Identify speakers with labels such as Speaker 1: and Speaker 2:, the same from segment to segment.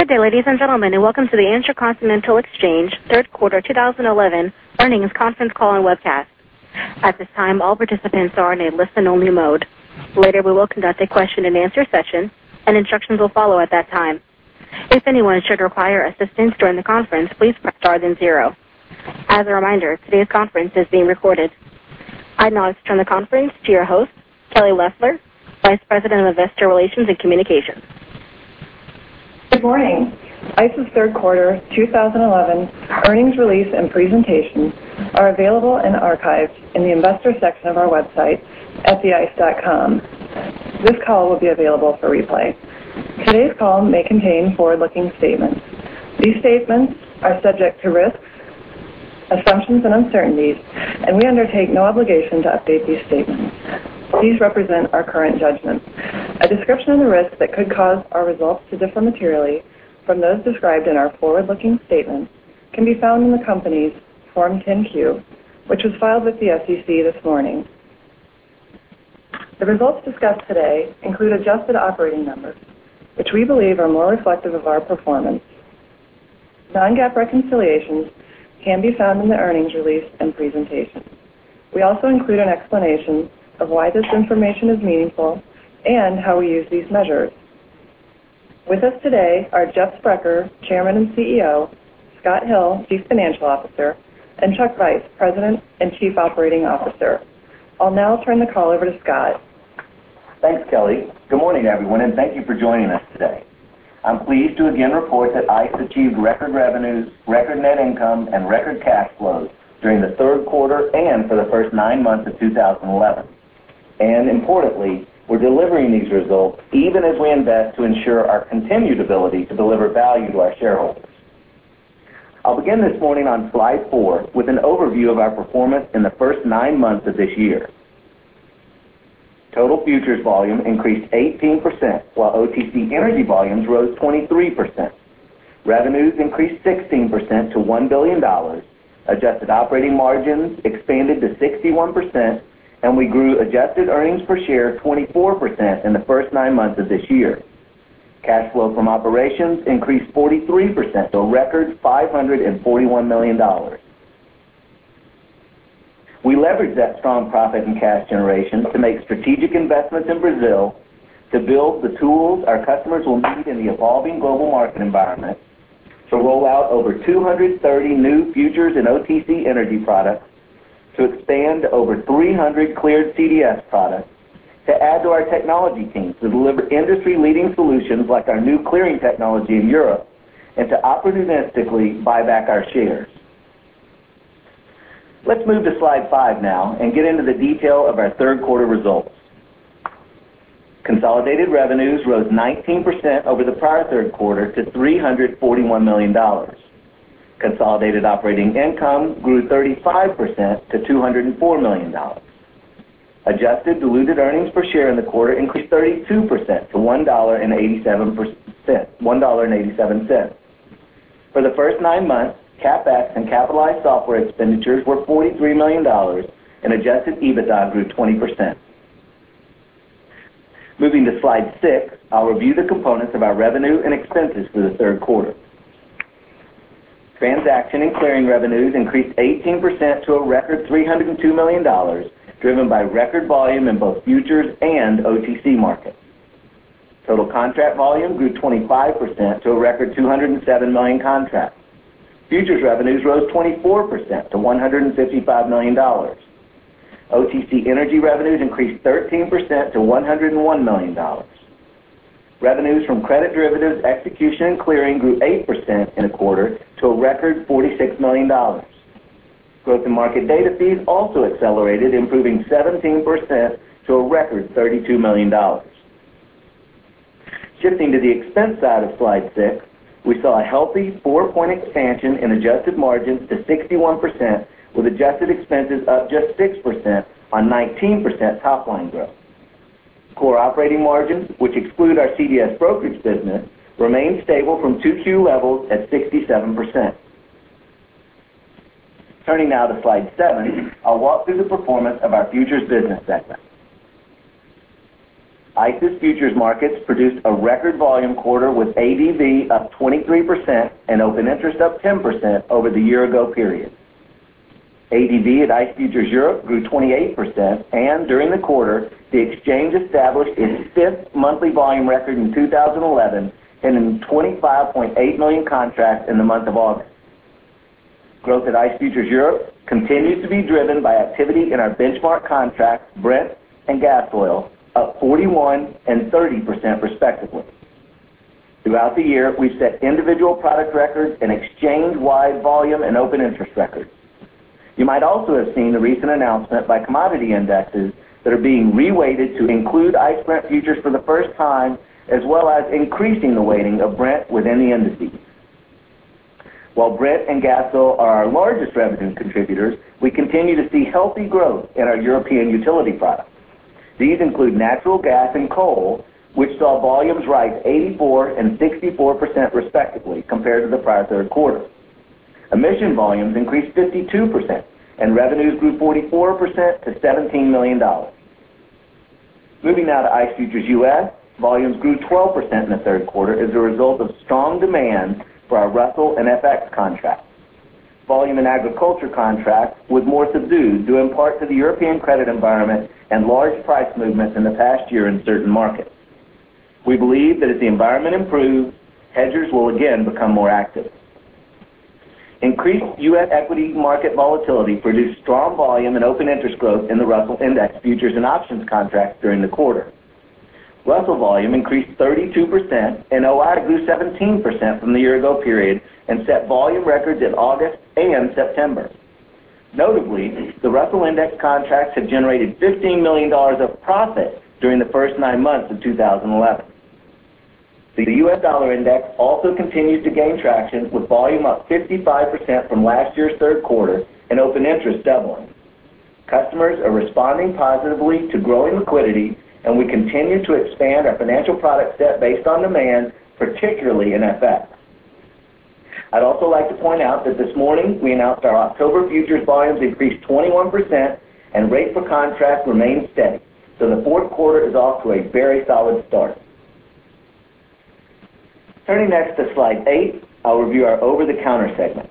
Speaker 1: Thank you, ladies and gentlemen, and welcome to the Intercontinental Exchange Third Quarter 2011 Earnings Conference Call and Webcast. At this time, all participants are in a listen-only mode. Later, we will conduct a question-and-answer session, and instructions will follow at that time. If anyone should require assistance during the conference, please press star then zero. As a reminder, today's conference is being recorded. I'd now like to turn the conference to your host, Kelly Loeffler, Vice President of Investor Relations and Communications.
Speaker 2: Good morning. Items Third Quarter 2011 Earnings Release and Presentation are available and archived in the Investor section of our website at theice.com. This call will be available for replay. Today's call may contain forward-looking statements. These statements are subject to risks, assumptions, and uncertainties, and we undertake no obligation to update these statements. These represent our current judgment. A description of the risk that could cause our results to differ materially from those described in our forward-looking statement can be found in the company's Form 10-Q, which was filed with the SEC this morning. The results discussed today include adjusted operating numbers, which we believe are more reflective of our performance. Non-GAAP reconciliations can be found in the earnings release and presentation. We also include an explanation of why this information is meaningful and how we use these measures. With us today are Jeff Sprecher, Chairman and CEO; Scott Hill, Chief Financial Officer; and Chuck Vice, President and Chief Operating Officer. I'll now turn the call over to Scott.
Speaker 3: Thanks, Kelly. Good morning, everyone, and thank you for joining us today. I'm pleased to again report that ICE achieved record revenues, record net income, and record cash flows during the third quarter and for the first nine months of 2011. Importantly, we're delivering these results even as we invest to ensure our continued ability to deliver value to our shareholders. I'll begin this morning on slide four with an overview of our performance in the first nine months of this year. Total futures volume increased 18%, while OTC Energy volumes rose 23%. Revenues increased 16% to $1 billion. Adjusted operating margins expanded to 61%, and we grew adjusted earnings per share 24% in the first nine months of this year. Cash flow from operations increased 43% to a record $541 million. We leverage that strong profit and cash generation to make strategic investments in Brazil to build the tools our customers will need in the evolving global market environment, to roll out over 230 new futures and OTC Energy products, to expand over 300 cleared CDS products, to add to our technology teams to deliver industry-leading solutions like our new clearing technology in Europe, and to opportunistically buy back our shares. Let's move to slide five now and get into the detail of our third quarter results. Consolidated revenues rose 19% over the prior third quarter to $341 million. Consolidated operating income grew 35% to $204 million. Adjusted diluted earnings per share in the quarter increased 32% to $1.87. For the first nine months, CapEx and capitalized software expenditures were $43 million, and adjusted EBITDA grew 20%. Moving to slide six, I'll review the components of our revenue and expenses for the third quarter. Transaction and clearing revenues increased 18% to a record $302 million, driven by record volume in both futures and OTC markets. Total contract volume grew 25% to a record 207 million contracts. Futures revenues rose 24% to $155 million. OTC Energy revenues increased 13% to $101 million. Revenues from credit derivatives execution and clearing grew 8% in a quarter to a record $46 million. Growth in market data fees also accelerated, improving 17% to a record $32 million. Shifting to the expense side of slide six, we saw a healthy four-point expansion in adjusted margins to 61%, with adjusted expenses up just 6% on 19% top-line growth. Core operating margins, which exclude our CDS brokerage business, remain stable from Q2 levels at 67%. Turning now to slide seven, I'll walk through the performance of our futures business segment. ICE's futures markets produced a record volume quarter with ADV up 23% and open interest up 10% over the year-ago period. ADV at ICE Futures Europe grew 28%, and during the quarter, the exchange established its fifth monthly volume record in 2011 and in 25.8 million contracts in the month of August. Growth at ICE Futures Europe continues to be driven by activity in our benchmark contracts Brent and Gas Oil at 41% and 30% respectively. Throughout the year, we've set individual product records and exchange-wide volume and open interest records. You might also have seen the recent announcement by commodity indexes that are being reweighted to include ICE Brent futures for the first time, as well as increasing the weighting of Brent within the indices. While Brent and Gas Oil are our largest revenue contributors, we continue to see healthy growth in our European utility products. These include natural gas and coal, which saw volumes rise 84% and 64% respectively compared to the prior third quarter. Emission volumes increased 52%, and revenues grew 44% to $17 million. Moving now to ICE Futures U.S., volumes grew 12% in the third quarter as a result of strong demands for our Russell and FX contracts. Volume in agriculture contracts was more subdued due in part to the European credit environment and large price movements in the past year in certain markets. We believe that as the environment improves, hedgers will again become more active. Increased U.S. equity market volatility produced strong volume and open interest growth in the Russell Index futures and options contracts during the quarter. Russell volume increased 32% and OI grew 17% from the year-ago period and set volume records in August and September. Notably, the Russell Index contracts have generated $15 million of profit during the first nine months of 2011. The U.S. Dollar Index also continued to gain traction with volume up 55% from last year's third quarter and open interest doubling. Customers are responding positively to growing liquidity, and we continue to expand our financial product set based on demands, particularly in FX. I'd also like to point out that this morning we announced our October futures volumes increased 21%, and rate for contract remains steady. The fourth quarter is off to a very solid start. Turning next to slide eight, I'll review our over-the-counter segment.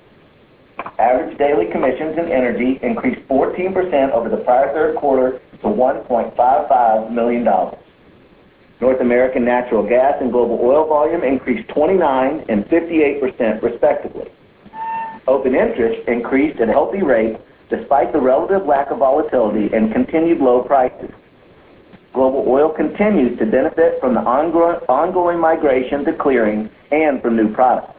Speaker 3: Average daily commissions in energy increased 14% over the prior third quarter to $1.55 million. North American natural gas and global oil volume increased 29% and 58% respectively. Open interest increased at healthy rates despite the relative lack of volatility and continued low prices. Global oil continues to benefit from the ongoing migration to clearing and from new products.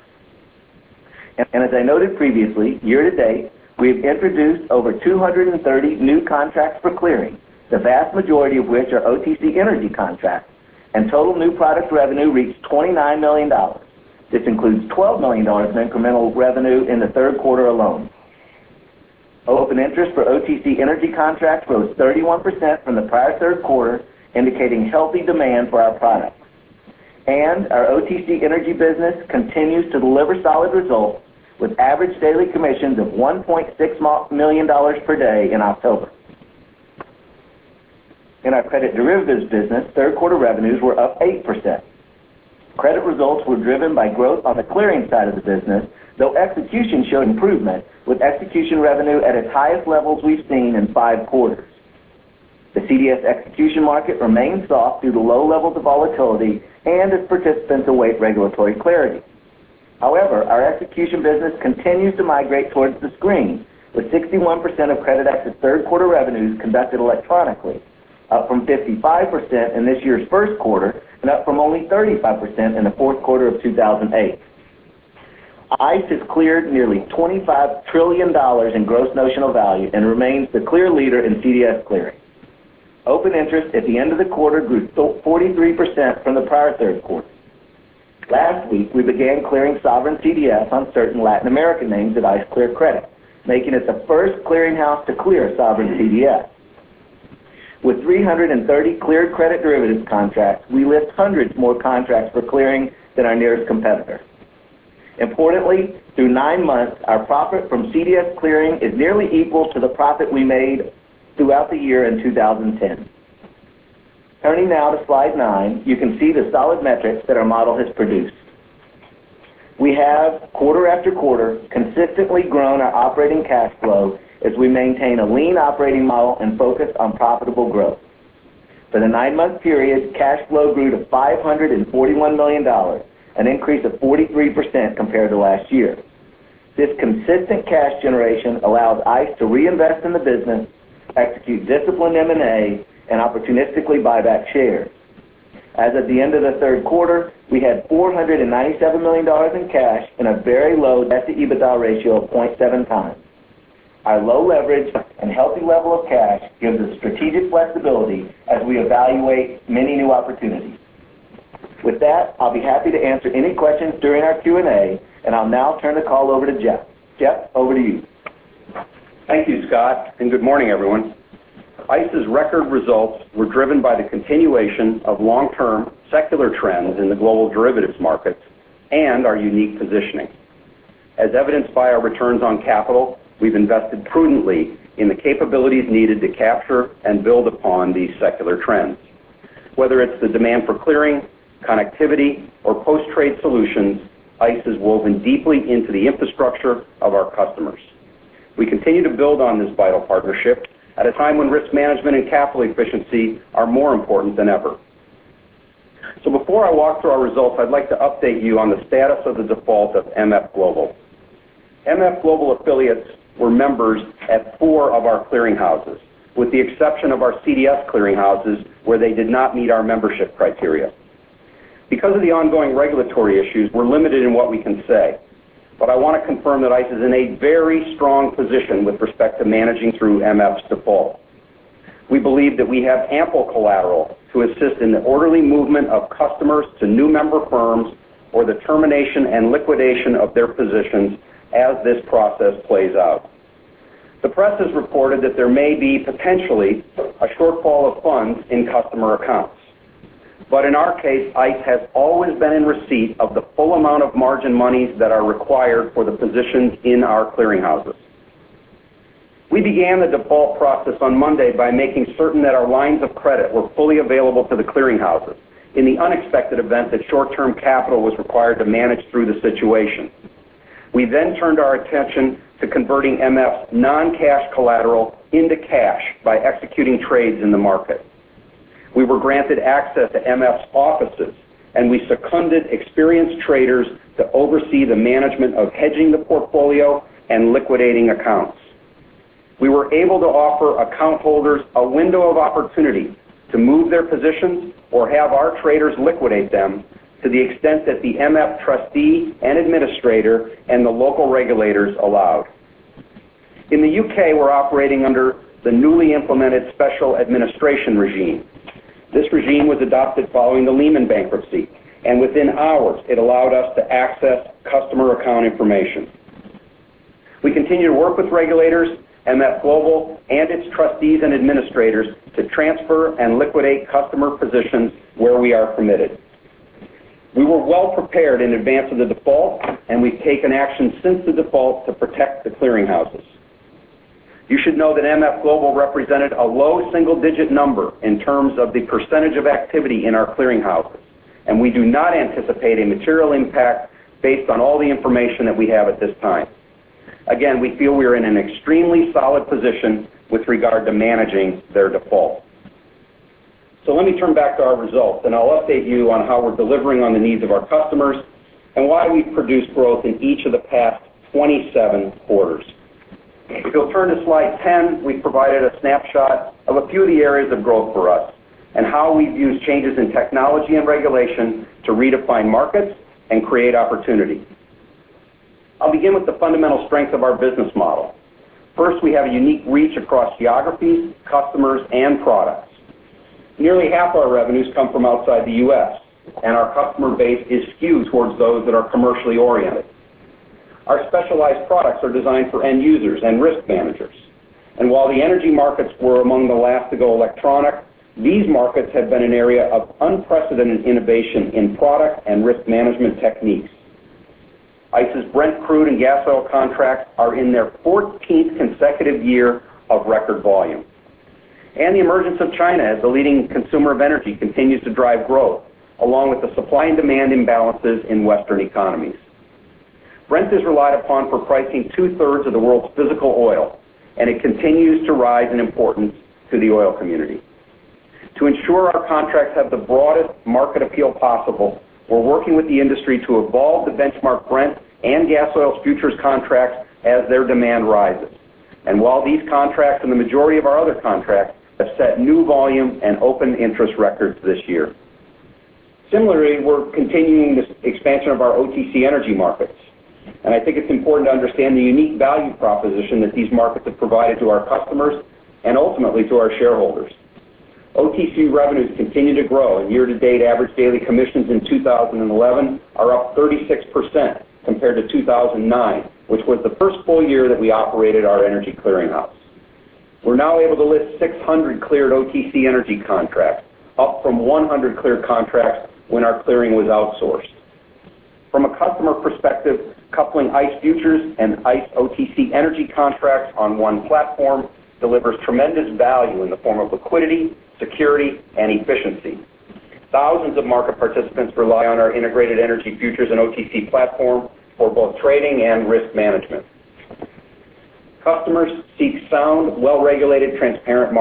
Speaker 3: As I noted previously, year to date, we have introduced over 230 new contracts for clearing, the vast majority of which are OTC Energy contracts. Total new product revenue reached $29 million. This includes $12 million in incremental revenue in the third quarter alone. Open interest for OTC Energy contracts rose 31% from the prior third quarter, indicating healthy demand for our products. Our OTC Energy business continues to deliver solid results with average daily commissions of $1.6 million per day in October. In our credit derivatives business, third quarter revenues were up 8%. Credit results were driven by growth on the clearing side of the business, though execution showed improvement, with execution revenue at its highest levels we've seen in five quarters. The CDS execution market remains soft due to low levels of volatility and as participants await regulatory clarity. However, our execution business continues to migrate towards the screen, with 61% of credit after third quarter revenues conducted electronically, up from 55% in this year's first quarter and up from only 35% in the fourth quarter of 2008. ICE has cleared nearly $25 trillion in gross notional value and remains the clear leader in CDS clearing. Open interest at the end of the quarter grew 43% from the prior third quarter. Last week, we began clearing sovereign CDS on certain Latin American names at ICE Clear Credit, making it the first clearing house to clear sovereign CDS. With 330 cleared credit derivatives contracts, we lift hundreds more contracts for clearing than our nearest competitor. Importantly, through nine months, our profit from CDS clearing is nearly equal to the profit we made throughout the year in 2010. Turning now to slide nine, you can see the solid metrics that our model has produced. We have quarter after quarter consistently grown our operating cash flow as we maintain a lean operating model and focus on profitable growth. For the nine-month period, cash flow grew to $541 million, an increase of 43% compared to last year. This consistent cash generation allows ICE to reinvest in the business, execute disciplined M&A, and opportunistically buy back shares. As of the end of the third quarter, we had $497 million in cash and a very low debt-to-EBITDA ratio of 0.7x. Our low leverage and healthy level of cash give us strategic flexibility as we evaluate many new opportunities. With that, I'll be happy to answer any questions during our Q&A, and I'll now turn the call over to Jeff. Jeff, over to you.
Speaker 4: Thank you, Scott, and good morning, everyone. ICE's record results were driven by the continuation of long-term secular trends in the global derivatives markets and our unique positioning. As evidenced by our returns on capital, we've invested prudently in the capabilities needed to capture and build upon these secular trends. Whether it's the demand for clearing, connectivity, or post-trade solutions, ICE is woven deeply into the infrastructure of our customers. We continue to build on this vital partnership at a time when risk management and capital efficiency are more important than ever. Before I walk through our results, I'd like to update you on the status of the default of MF Global. MF Global affiliates were members at four of our clearinghouses, with the exception of our CDS clearinghouses where they did not meet our membership criteria. Because of the ongoing regulatory issues, we're limited in what we can say. I want to confirm that ICE is in a very strong position with respect to managing through MF's default. We believe that we have ample collateral to assist in the orderly movement of customers to new member firms or the termination and liquidation of their positions as this process plays out. The press has reported that there may be potentially a shortfall of funds in customer accounts. In our case, ICE has always been in receipt of the full amount of margin monies that are required for the positions in our clearinghouses. We began the default process on Monday by making certain that our lines of credit were fully available to the clearinghouses in the unexpected event that short-term capital was required to manage through the situation. We then turned our attention to converting MF's non-cash collateral into cash by executing trades in the market. We were granted access to MF's offices, and we summoned experienced traders to oversee the management of hedging the portfolio and liquidating accounts. We were able to offer account holders a window of opportunity to move their positions or have our traders liquidate them to the extent that the MF trustee and administrator and the local regulators allowed. In the U.K., we're operating under the newly implemented special administration regime. This regime was adopted following the Lehman bankruptcy, and within hours, it allowed us to access customer account information. We continue to work with regulators, MF Global, and its trustees and administrators to transfer and liquidate customer positions where we are permitted. We were well prepared in advance of the default, and we've taken action since the default to protect the clearinghouses. You should know that MF Global represented a low single-digit number in terms of the percentage of activity in our clearinghouses, and we do not anticipate a material impact based on all the information that we have at this time. We feel we're in an extremely solid position with regard to managing their default. Let me turn back to our results, and I'll update you on how we're delivering on the needs of our customers and why we've produced growth in each of the past 27 quarters. If you'll turn to slide 10, we've provided a snapshot of a few of the areas of growth for us and how we've used changes in technology and regulation to redefine markets and create opportunity. I'll begin with the fundamental strengths of our business model. First, we have a unique reach across geographies, customers, and products. Nearly half of our revenues come from outside the U.S., and our customer base is skewed towards those that are commercially oriented. Our specialized products are designed for end users and risk managers. While the energy markets were among the last to go electronic, these markets have been an area of unprecedented innovation in product and risk management techniques. ICE's Brent crude and gas oil contracts are in their 14th consecutive year of record volume. The emergence of China as the leading consumer of energy continues to drive growth, along with the supply and demand imbalances in Western economies. Brent is relied upon for pricing two-thirds of the world's physical oil, and it continues to rise in importance to the oil community. To ensure our contracts have the broadest market appeal possible, we're working with the industry to evolve the benchmark Brent and gas oil futures contracts as their demand rises. While these contracts and the majority of our other contracts have set new volume and open interest records this year, similarly, we're continuing the expansion of our OTC Energy markets. I think it's important to understand the unique value proposition that these markets have provided to our customers and ultimately to our shareholders. OTC revenues continue to grow, and year-to-date average daily commissions in 2011 are up 36% compared to 2009, which was the first full year that we operated our energy clearinghouse. We're now able to list 600 cleared OTC Energy contracts, up from 100 cleared contracts when our clearing was outsourced. From a customer perspective, coupling ICE Futures and ICE OTC Energy contracts on one platform delivers tremendous value in the form of liquidity, security, and efficiency. Thousands of market participants rely on our integrated energy futures and OTC platform for both trading and risk management. Customers seek sound, well-regulated, transparent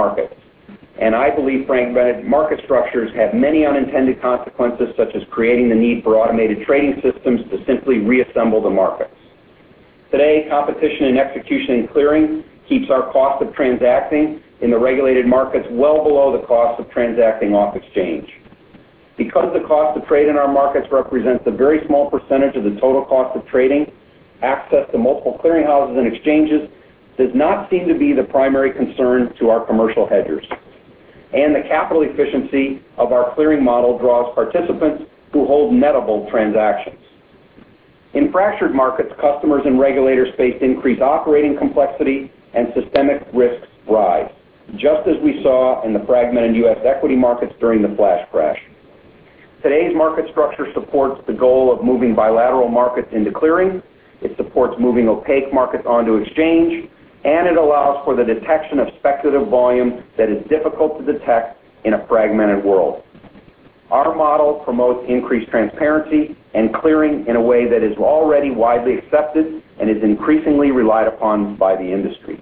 Speaker 4: markets. I believe fragmented market structures have many unintended consequences, such as creating the need for automated trading systems to simply reassemble the markets. Today, competition in execution and clearing keeps our cost of transacting in the regulated markets well below the cost of transacting off exchange. Because the cost of trade in our markets represents a very small percentage of the total cost of trading, access to multiple clearinghouses and exchanges does not seem to be the primary concern to our commercial hedgers. The capital efficiency of our clearing model draws participants who hold netable transactions. In fractured markets, customers and regulators faced increased operating complexity and systemic risks rise, just as we saw in the fragmented U.S. equity markets during the flash crash. Today's market structure supports the goal of moving bilateral markets into clearing. It supports moving opaque markets onto exchange, and it allows for the detection of speculative volume that is difficult to detect in a fragmented world. Our model promotes increased transparency and clearing in a way that is already widely accepted and is increasingly relied upon by the industry.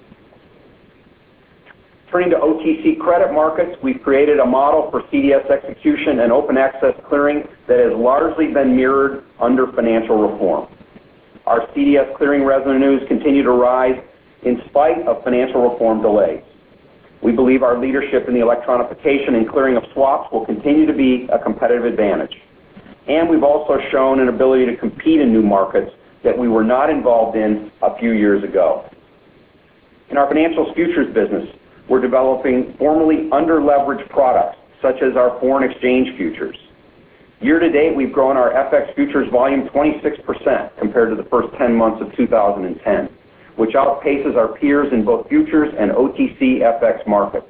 Speaker 4: Turning to OTC credit markets, we've created a model for CDS execution and open access clearing that has largely been mirrored under financial reform. Our CDS Clearing revenues continue to rise in spite of financial reform delays. We believe our leadership in the electronification and clearing of swaps will continue to be a competitive advantage. We've also shown an ability to compete in new markets that we were not involved in a few years ago. In our financials futures business, we're developing formerly under-leveraged products, such as our foreign exchange futures. Year to date, we've grown our FX futures volume 26% compared to the first 10 months of 2010, which outpaces our peers in both futures and OTC FX markets.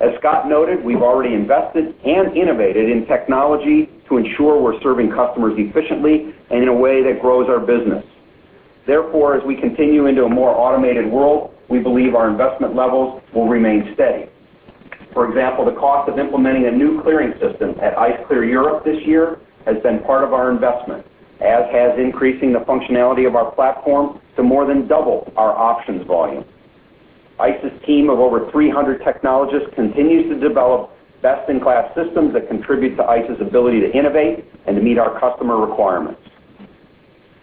Speaker 4: As Scott noted, we've already invested and innovated in technology to ensure we're serving customers efficiently and in a way that grows our business. Therefore, as we continue into a more automated world, we believe our investment levels will remain steady. For example, the cost of implementing a new clearing system at ICE Clear Europe this year has been part of our investment, as has increasing the functionality of our platform to more than double our options volume. ICE's team of over 300 technologists continues to develop best-in-class systems that contribute to ICE's ability to innovate and to meet our customer requirements.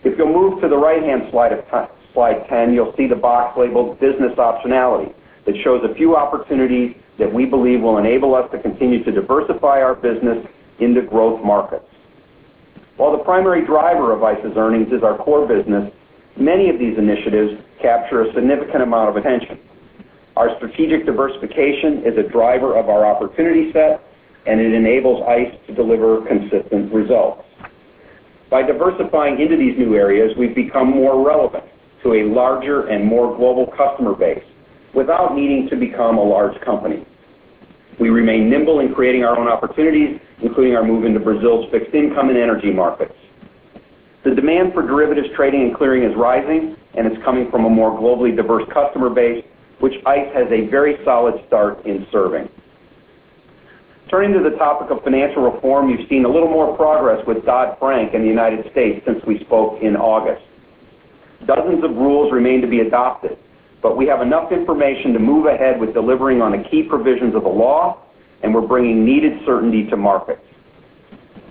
Speaker 4: If you'll move to the right-hand side of slide 10, you'll see the box labeled Business Optionality that shows a few opportunities that we believe will enable us to continue to diversify our business into growth markets. While the primary driver of ICE's earnings is our core business, many of these initiatives capture a significant amount of attention. Our strategic diversification is a driver of our opportunity set, and it enables ICE to deliver consistent results. By diversifying into these new areas, we've become more relevant to a larger and more global customer base without needing to become a large company. We remain nimble in creating our own opportunities, including our move into Brazil's fixed income and energy markets. The demand for derivatives trading and clearing is rising, and it's coming from a more globally diverse customer base, which ICE has a very solid start in serving. Turning to the topic of financial reform, you've seen a little more progress with Dodd-Frank in the U.S. since we spoke in August. Dozens of rules remain to be adopted, but we have enough information to move ahead with delivering on the key provisions of the law, and we're bringing needed certainty to markets.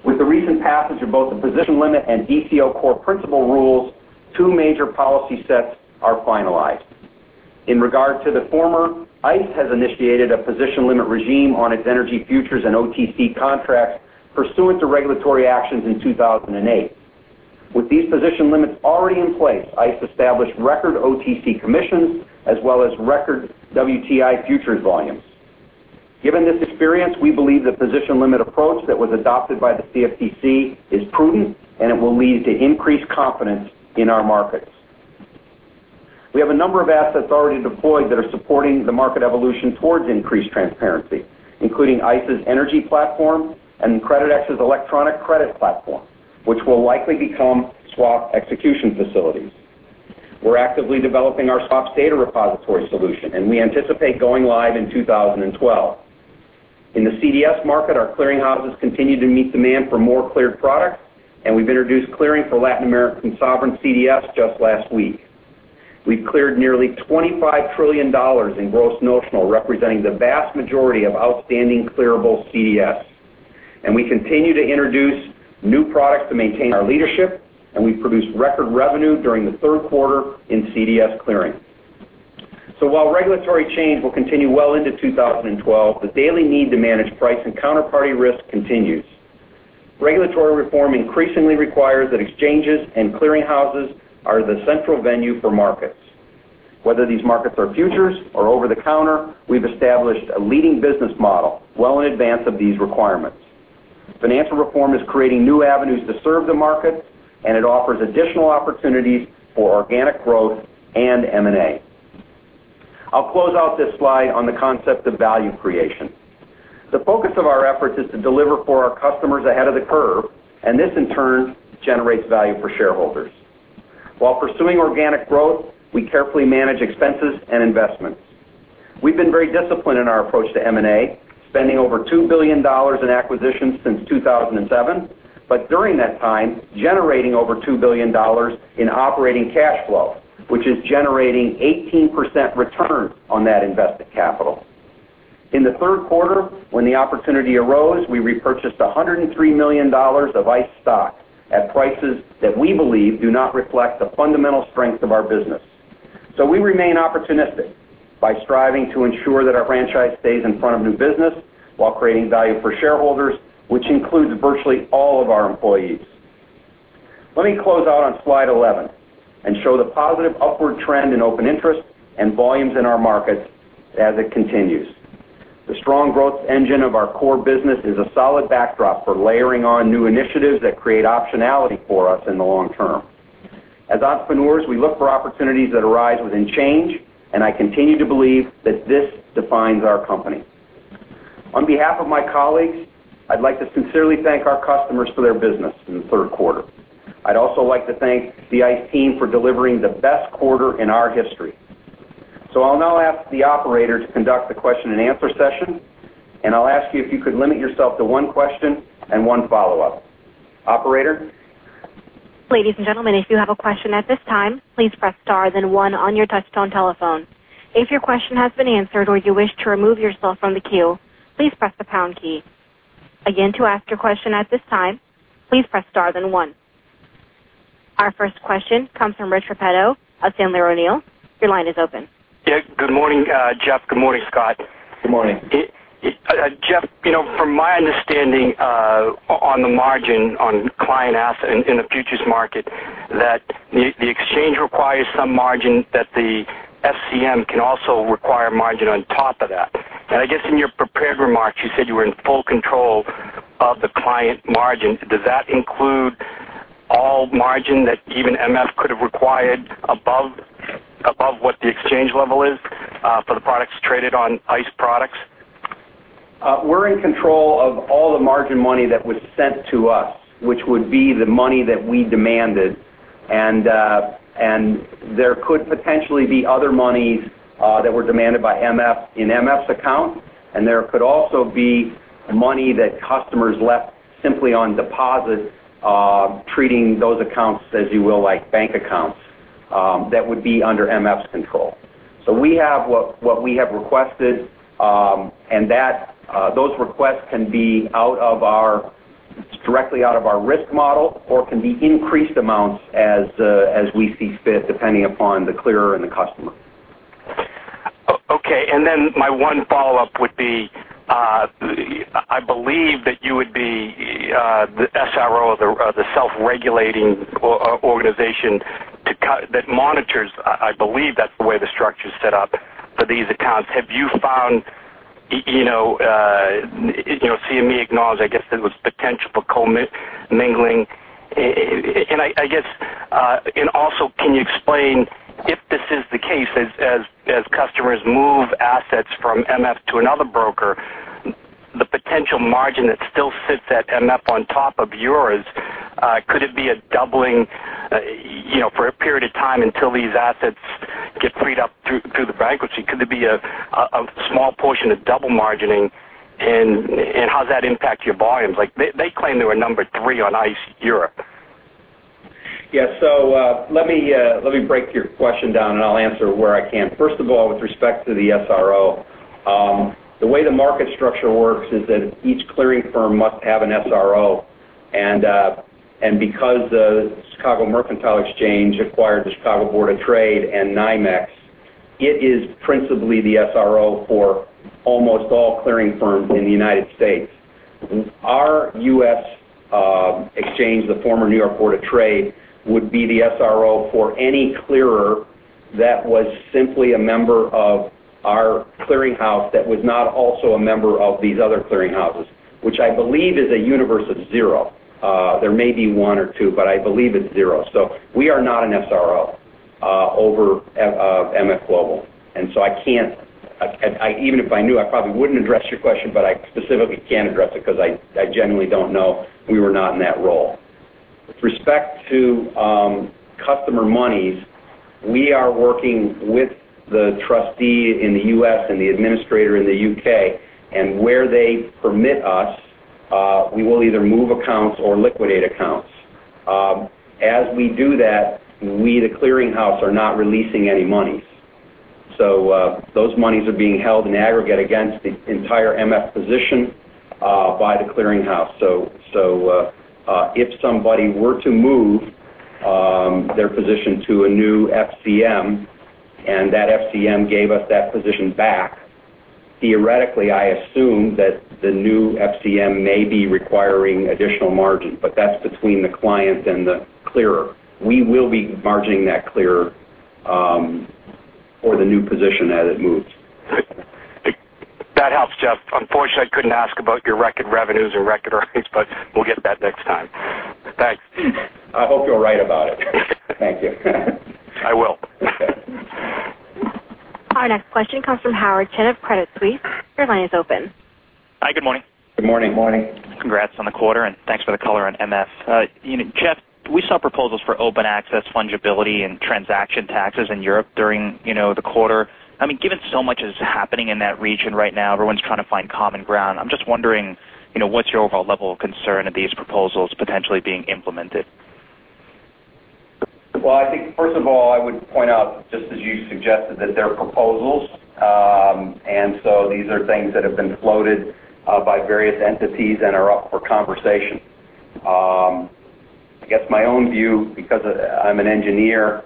Speaker 4: With the recent passage of both the position limit and ECO core principle rules, two major policy sets are finalized. In regard to the former, ICE has initiated a position limit regime on its energy futures and OTC contracts pursuant to regulatory actions in 2008. With these position limits already in place, ICE established record OTC commissions as well as record WTI futures volumes. Given this experience, we believe the position limit approach that was adopted by the CFTC is prudent, and it will lead to increased confidence in our markets. We have a number of assets already deployed that are supporting the market evolution towards increased transparency, including ICE's energy platform and Creditex's electronic credit platform, which will likely become swap execution facilities. We're actively developing our swaps data repository solution, and we anticipate going live in 2012. In the CDS market, our clearinghouses continue to meet demand for more cleared products, and we've introduced clearing for Latin American sovereign CDS just last week. We've cleared nearly $25 trillion in gross notional, representing the vast majority of outstanding clearable CDS. We continue to introduce new products to maintain our leadership, and we've produced record revenue during the third quarter in CDS clearing. While regulatory change will continue well into 2012, the daily need to manage price and counterparty risk continues. Regulatory reform increasingly requires that exchanges and clearinghouses are the central venue for markets. Whether these markets are futures or over the counter, we've established a leading business model well in advance of these requirements. Financial reform is creating new avenues to serve the market, and it offers additional opportunities for organic growth and M&A. I'll close out this slide on the concept of value creation. The focus of our efforts is to deliver for our customers ahead of the curve, and this in turn generates value for shareholders. While pursuing organic growth, we carefully manage expenses and investments. We've been very disciplined in our approach to M&A, spending over $2 billion in acquisitions since 2007, but during that time, generating over $2 billion in operating cash flow, which is generating 18% return on that invested capital. In the third quarter, when the opportunity arose, we repurchased $103 million of ICE stock at prices that we believe do not reflect the fundamental strength of our business. We remain opportunistic by striving to ensure that our franchise stays in front of new business while creating value for shareholders, which includes virtually all of our employees. Let me close out on slide 11 and show the positive upward trend in open interest and volumes in our markets as it continues. The strong growth engine of our core business is a solid backdrop for layering on new initiatives that create optionality for us in the long term. As entrepreneurs, we look for opportunities that arise within change, and I continue to believe that this defines our company. On behalf of my colleagues, I'd like to sincerely thank our customers for their business in the third quarter. I'd also like to thank the ICE team for delivering the best quarter in our history. I'll now ask the operator to conduct the question and answer session, and I'll ask you if you could limit yourself to one question and one follow-up. Operator?
Speaker 1: Ladies and gentlemen, if you have a question at this time, please press star then one on your touch-tone telephone. If your question has been answered or you wish to remove yourself from the queue, please press the pound key. Again, to ask your question at this time, please press star then one. Our first question comes from Rich Repetto of Sandler O'Neill. Your line is open.
Speaker 5: Good morning, Jeff. Good morning, Scott.
Speaker 4: Good morning.
Speaker 5: Jeff, from my understanding, on the margin on client asset in the futures market, the exchange requires some margin, and the FCM can also require margin on top of that. In your prepared remarks, you said you were in full control of the client margin. Does that include all margin that even MF Global could have required above what the exchange level is for the products traded on ICE products?
Speaker 4: We're in control of all the margin money that was sent to us, which would be the money that we demanded. There could potentially be other monies that were demanded by MF in MF's account, and there could also be money that customers left simply on deposit, treating those accounts, as you will, like bank accounts, that would be under MF's control. We have what we have requested, and those requests can be out of our directly out of our risk model or can be increased amounts as we see fit, depending upon the clearer and the customer.
Speaker 5: Okay, and then my one follow-up would be, I believe that you would be the SRO of the self-regulating organization that monitors, I believe that's the way the structure is set up for these accounts. Have you found, you know, CME acknowledged, I guess there was potential for commingling? I guess, and also can you explain if this is the case as customers move assets from MF to another broker, the potential margin that still sits at MF on top of yours, could it be a doubling, you know, for a period of time until these assets get freed up through the bankruptcy? Could there be a small portion of double margining, and how does that impact your volumes? Like they claim they were number three on ICE Europe.
Speaker 4: Yeah, let me break your question down, and I'll answer where I can. First of all, with respect to the SRO, the way the market structure works is that each clearing firm must have an SRO. Because the Chicago Mercantile Exchange acquired the Chicago Board of Trade and NYMEX, it is principally the SRO for almost all clearing firms in the United States. Our U.S. exchange, the former New York Board of Trade, would be the SRO for any clearer that was simply a member of our clearinghouse that was not also a member of these other clearinghouses, which I believe is a universe of zero. There may be one or two, but I believe it's zero. We are not an SRO over at MF Global. I can't, even if I knew, I probably wouldn't address your question, but I specifically can't address it because I genuinely don't know. We were not in that role. With respect to customer monies, we are working with the trustee in the U.S. and the administrator in the U.K., and where they permit us, we will either move accounts or liquidate accounts. As we do that, we, the clearinghouse, are not releasing any monies. Those monies are being held in aggregate against the entire MF position by the clearinghouse. If somebody were to move their position to a new FCM and that FCM gave us that position back, theoretically, I assume that the new FCM may be requiring additional margin, but that's between the client and the clearer. We will be margining that clearer for the new position as it moves.
Speaker 5: That helps, Jeff. Unfortunately, I couldn't ask about your record revenues or record earnings, but we'll get that next time. Thanks.
Speaker 4: I hope you're right about it. Thank you.
Speaker 5: I will.
Speaker 1: Our next question comes from Howard Chen of Credit Suisse. Your line is open.
Speaker 6: Hi, good morning.
Speaker 4: Good morning.
Speaker 3: Good morning.
Speaker 6: Congrats on the quarter and thanks for the color on MF. Jeff, we saw proposals for open access, fungibility, and transaction taxes in Europe during the quarter. Given so much is happening in that region right now, everyone's trying to find common ground. I'm just wondering, what's your overall level of concern of these proposals potentially being implemented?
Speaker 4: First of all, I would point out, just as you suggested, that they're proposals. These are things that have been floated by various entities and are up for conversation. I guess my own view, because I'm an engineer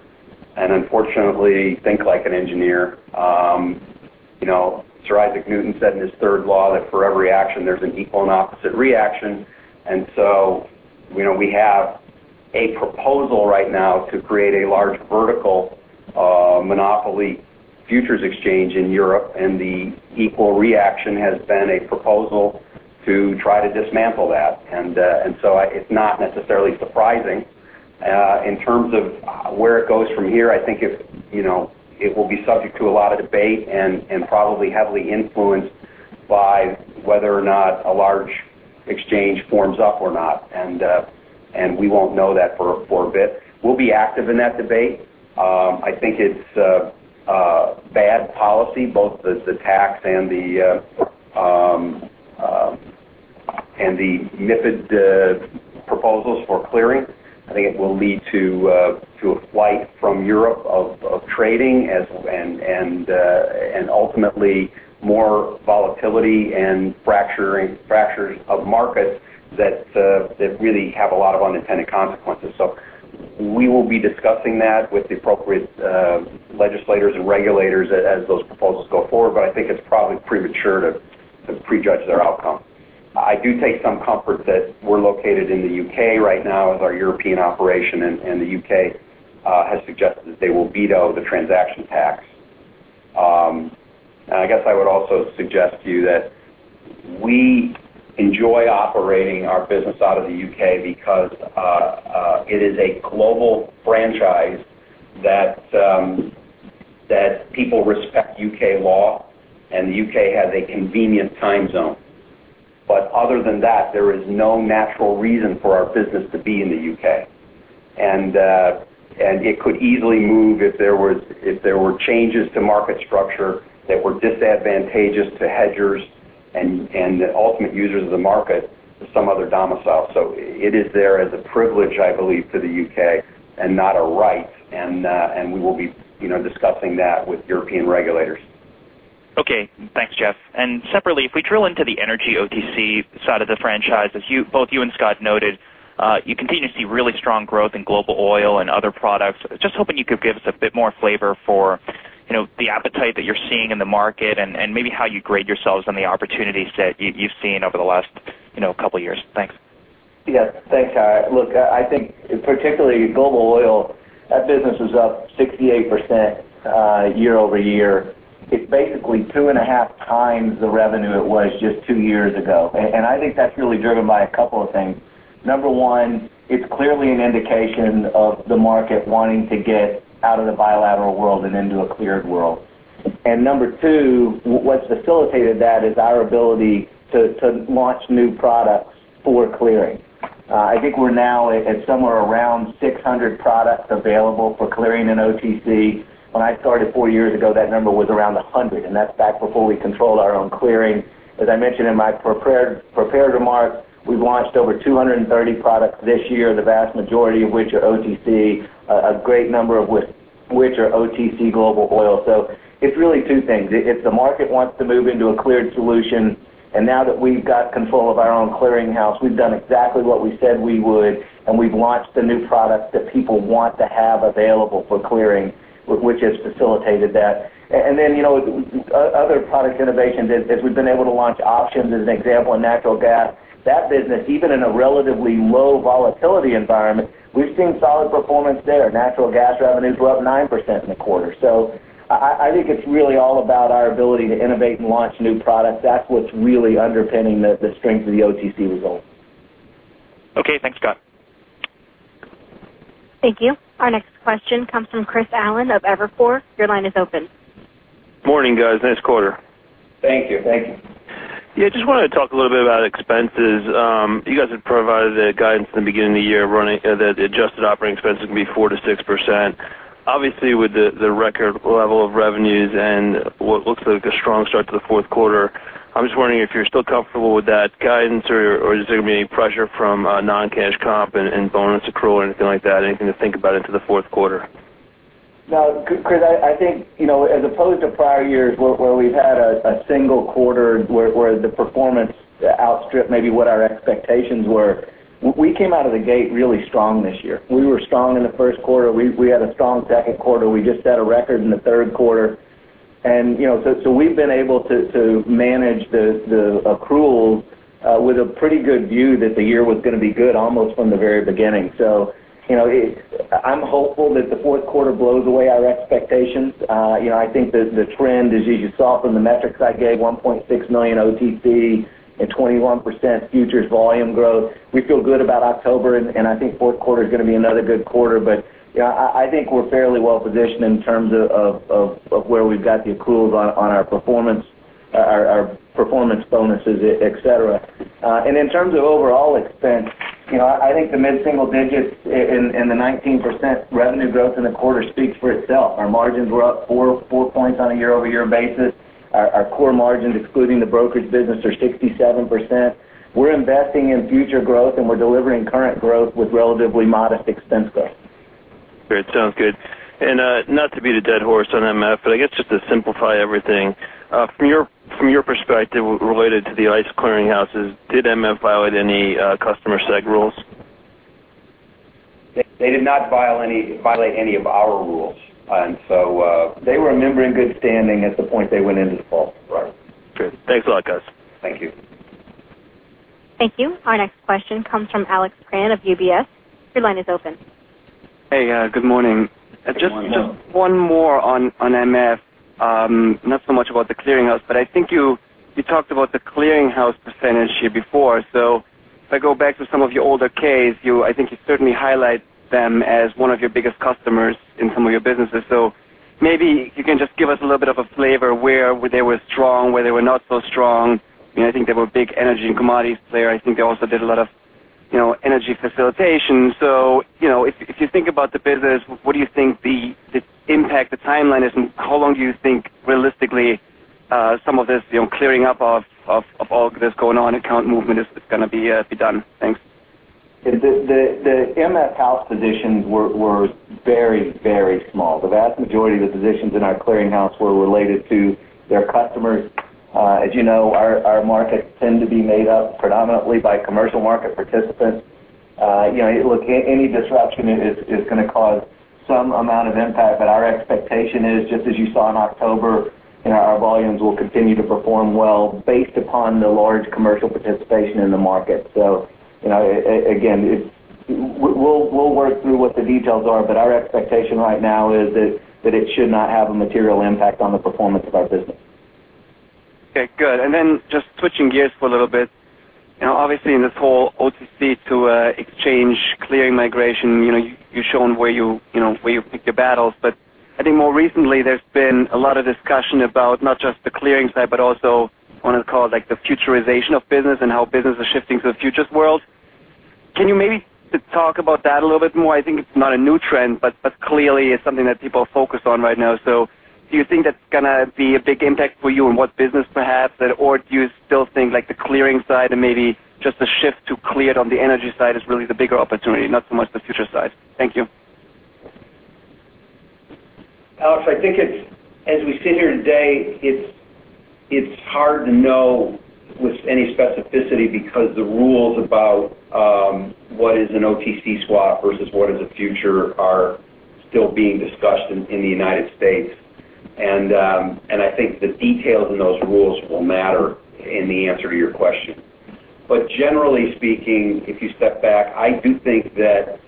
Speaker 4: and unfortunately think like an engineer, you know, Sir Isaac Newton said in his third law that for every action, there's an equal and opposite reaction. We have a proposal right now to create a large vertical monopoly futures exchange in Europe, and the equal reaction has been a proposal to try to dismantle that. It's not necessarily surprising. In terms of where it goes from here, I think it will be subject to a lot of debate and probably heavily influenced by whether or not a large exchange forms up or not. We won't know that for a bit. We'll be active in that debate. I think it's a bad policy, both the tax and the MIFID proposals for clearing. I think it will lead to a flight from Europe of trading and ultimately more volatility and fractures of markets that really have a lot of unintended consequences. We will be discussing that with the appropriate legislators and regulators as those proposals go forward, but I think it's probably premature to prejudge their outcome. I do take some comfort that we're located in the U.K. right now with our European operation, and the U.K. has suggested that they will veto the transaction tax. I would also suggest to you that we enjoy operating our business out of the U.K. because it is a global franchise, that people respect U.K. law, and the U.K. has a convenient time zone. Other than that, there is no natural reason for our business to be in the U.K.. It could easily move if there were changes to market structure that were disadvantageous to hedgers and the ultimate users of the market to some other domicile. It is there as a privilege, I believe, to the U.K. and not a right. We will be discussing that with European regulators.
Speaker 6: Okay, thanks, Jeff. If we drill into the energy OTC side of the franchise, as both you and Scott noted, you continue to see really strong growth in global oil and other products. Just hoping you could give us a bit more flavor for the appetite that you're seeing in the market and maybe how you grade yourselves on the opportunities that you've seen over the last couple of years. Thanks.
Speaker 3: Yeah, thanks, Scott. Look, I think particularly global oil, that business was up 68% year-over-year. It's basically two and a half times the revenue it was just two years ago. I think that's really driven by a couple of things. Number one, it's clearly an indication of the market wanting to get out of the bilateral world and into a cleared world. Number two, what's facilitated that is our ability to launch new products for clearing. I think we're now at somewhere around 600 products available for clearing in OTC. When I started four years ago, that number was around 100, and that's back before we controlled our own clearing. As I mentioned in my prepared remarks, we've launched over 230 products this year, the vast majority of which are OTC, a great number of which are OTC global oil. It's really two things. If the market wants to move into a cleared solution, and now that we've got control of our own clearinghouse, we've done exactly what we said we would, and we've launched the new products that people want to have available for clearing, which has facilitated that. Other product innovations, as we've been able to launch options as an example in natural gas, that business, even in a relatively low volatility environment, we've seen solid performance there. Natural gas revenue is low at 9% in the quarter. I think it's really all about our ability to innovate and launch new products. That's what's really underpinning the strength of the OTC result.
Speaker 6: Okay, thanks, Scott.
Speaker 1: Thank you. Our next question comes from Chris Allen of Evercore. Your line is open.
Speaker 7: Morning, guys. Nice quarter.
Speaker 4: Thank you.
Speaker 3: Thank you.
Speaker 7: Yeah, I just wanted to talk a little bit about expenses. You guys have provided the guidance at the beginning of the year running that adjusted operating expenses can be 4%-6%. Obviously, with the record level of revenues and what looks like a strong start to the fourth quarter, I'm just wondering if you're still comfortable with that guidance or is there going to be any pressure from non-cash comp and bonus accrual or anything like that. Anything to think about into the fourth quarter?
Speaker 3: No, Chris, I think as opposed to prior years where we've had a single quarter where the performance outstripped maybe what our expectations were, we came out of the gate really strong this year. We were strong in the first quarter. We had a strong second quarter. We just set a record in the third quarter. We've been able to manage the accrual with a pretty good view that the year was going to be good almost from the very beginning. I'm hopeful that the fourth quarter blows away our expectations. I think the trend, as you saw from the metrics I gave, $1.6 million OTC and 21% futures volume growth. We feel good about October, and I think the fourth quarter is going to be another good quarter. I think we're fairly well positioned in terms of where we've got the accruals on our performance, our performance bonuses, etc. In terms of overall expense, I think the mid-single digits and the 19% revenue growth in the quarter speaks for itself. Our margins were up four points on a year-over-year basis. Our core margins, excluding the brokerage business, are 67%. We're investing in future growth, and we're delivering current growth with relatively modest expense growth.
Speaker 7: Great, sounds good. Not to beat a dead horse on MF, I guess just to simplify everything, from your perspective related to the ICE clearinghouses, did MF violate any customer seg rules?
Speaker 4: They did not violate any of our rules, so they were a member in good standing at the point they went into default.
Speaker 7: Right. Good, thanks a lot, guys.
Speaker 4: Thank you.
Speaker 1: Thank you. Our next question comes from Alex Kramm of UBS. Your line is open.
Speaker 8: Hey, good morning. Just one more on MF Global, not so much about the clearinghouse, but I think you talked about the clearinghouse percentage here before. If I go back to some of your older Ks, I think you certainly highlight them as one of your biggest customers in some of your businesses. Maybe you can just give us a little bit of a flavor where they were strong, where they were not so strong. I think they were a big energy and commodities player. I think they also did a lot of energy facilitation. If you think about the business, what do you think the impact, the timeline is, and how long do you think realistically some of this clearing up of all this going on, account movement is going to be done? Thanks.
Speaker 4: Yeah, the MF house positions were very, very small. The vast majority of the positions in our clearinghouse were related to their customers. As you know, our markets tend to be made up predominantly by commercial market participants. Any disruption is going to cause some amount of impact, but our expectation is, just as you saw in October, our volumes will continue to perform well based upon the large commercial participation in the market. Again, we'll work through what the details are, but our expectation right now is that it should not have a material impact on the performance of our business.
Speaker 8: Okay, good. Just switching gears for a little bit, obviously in this whole OTC to exchange clearing migration, you've shown where you pick your battles. I think more recently there's been a lot of discussion about not just the clearing side, but also on a call like the futurization of business and how business is shifting to the futures world. Can you maybe talk about that a little bit more? I think it's not a new trend, but clearly it's something that people focus on right now. Do you think that's going to be a big impact for you in what business perhaps, or do you still think the clearing side and maybe just a shift to clear on the energy side is really the bigger opportunity, not so much the future side? Thank you.
Speaker 4: Alex, I think it's, as we sit here today, hard to know with any specificity because the rules about what is an OTC swap versus what is a future are still being discussed in the U.S. I think the details in those rules will matter in the answer to your question. Generally speaking, if you step back, I do think that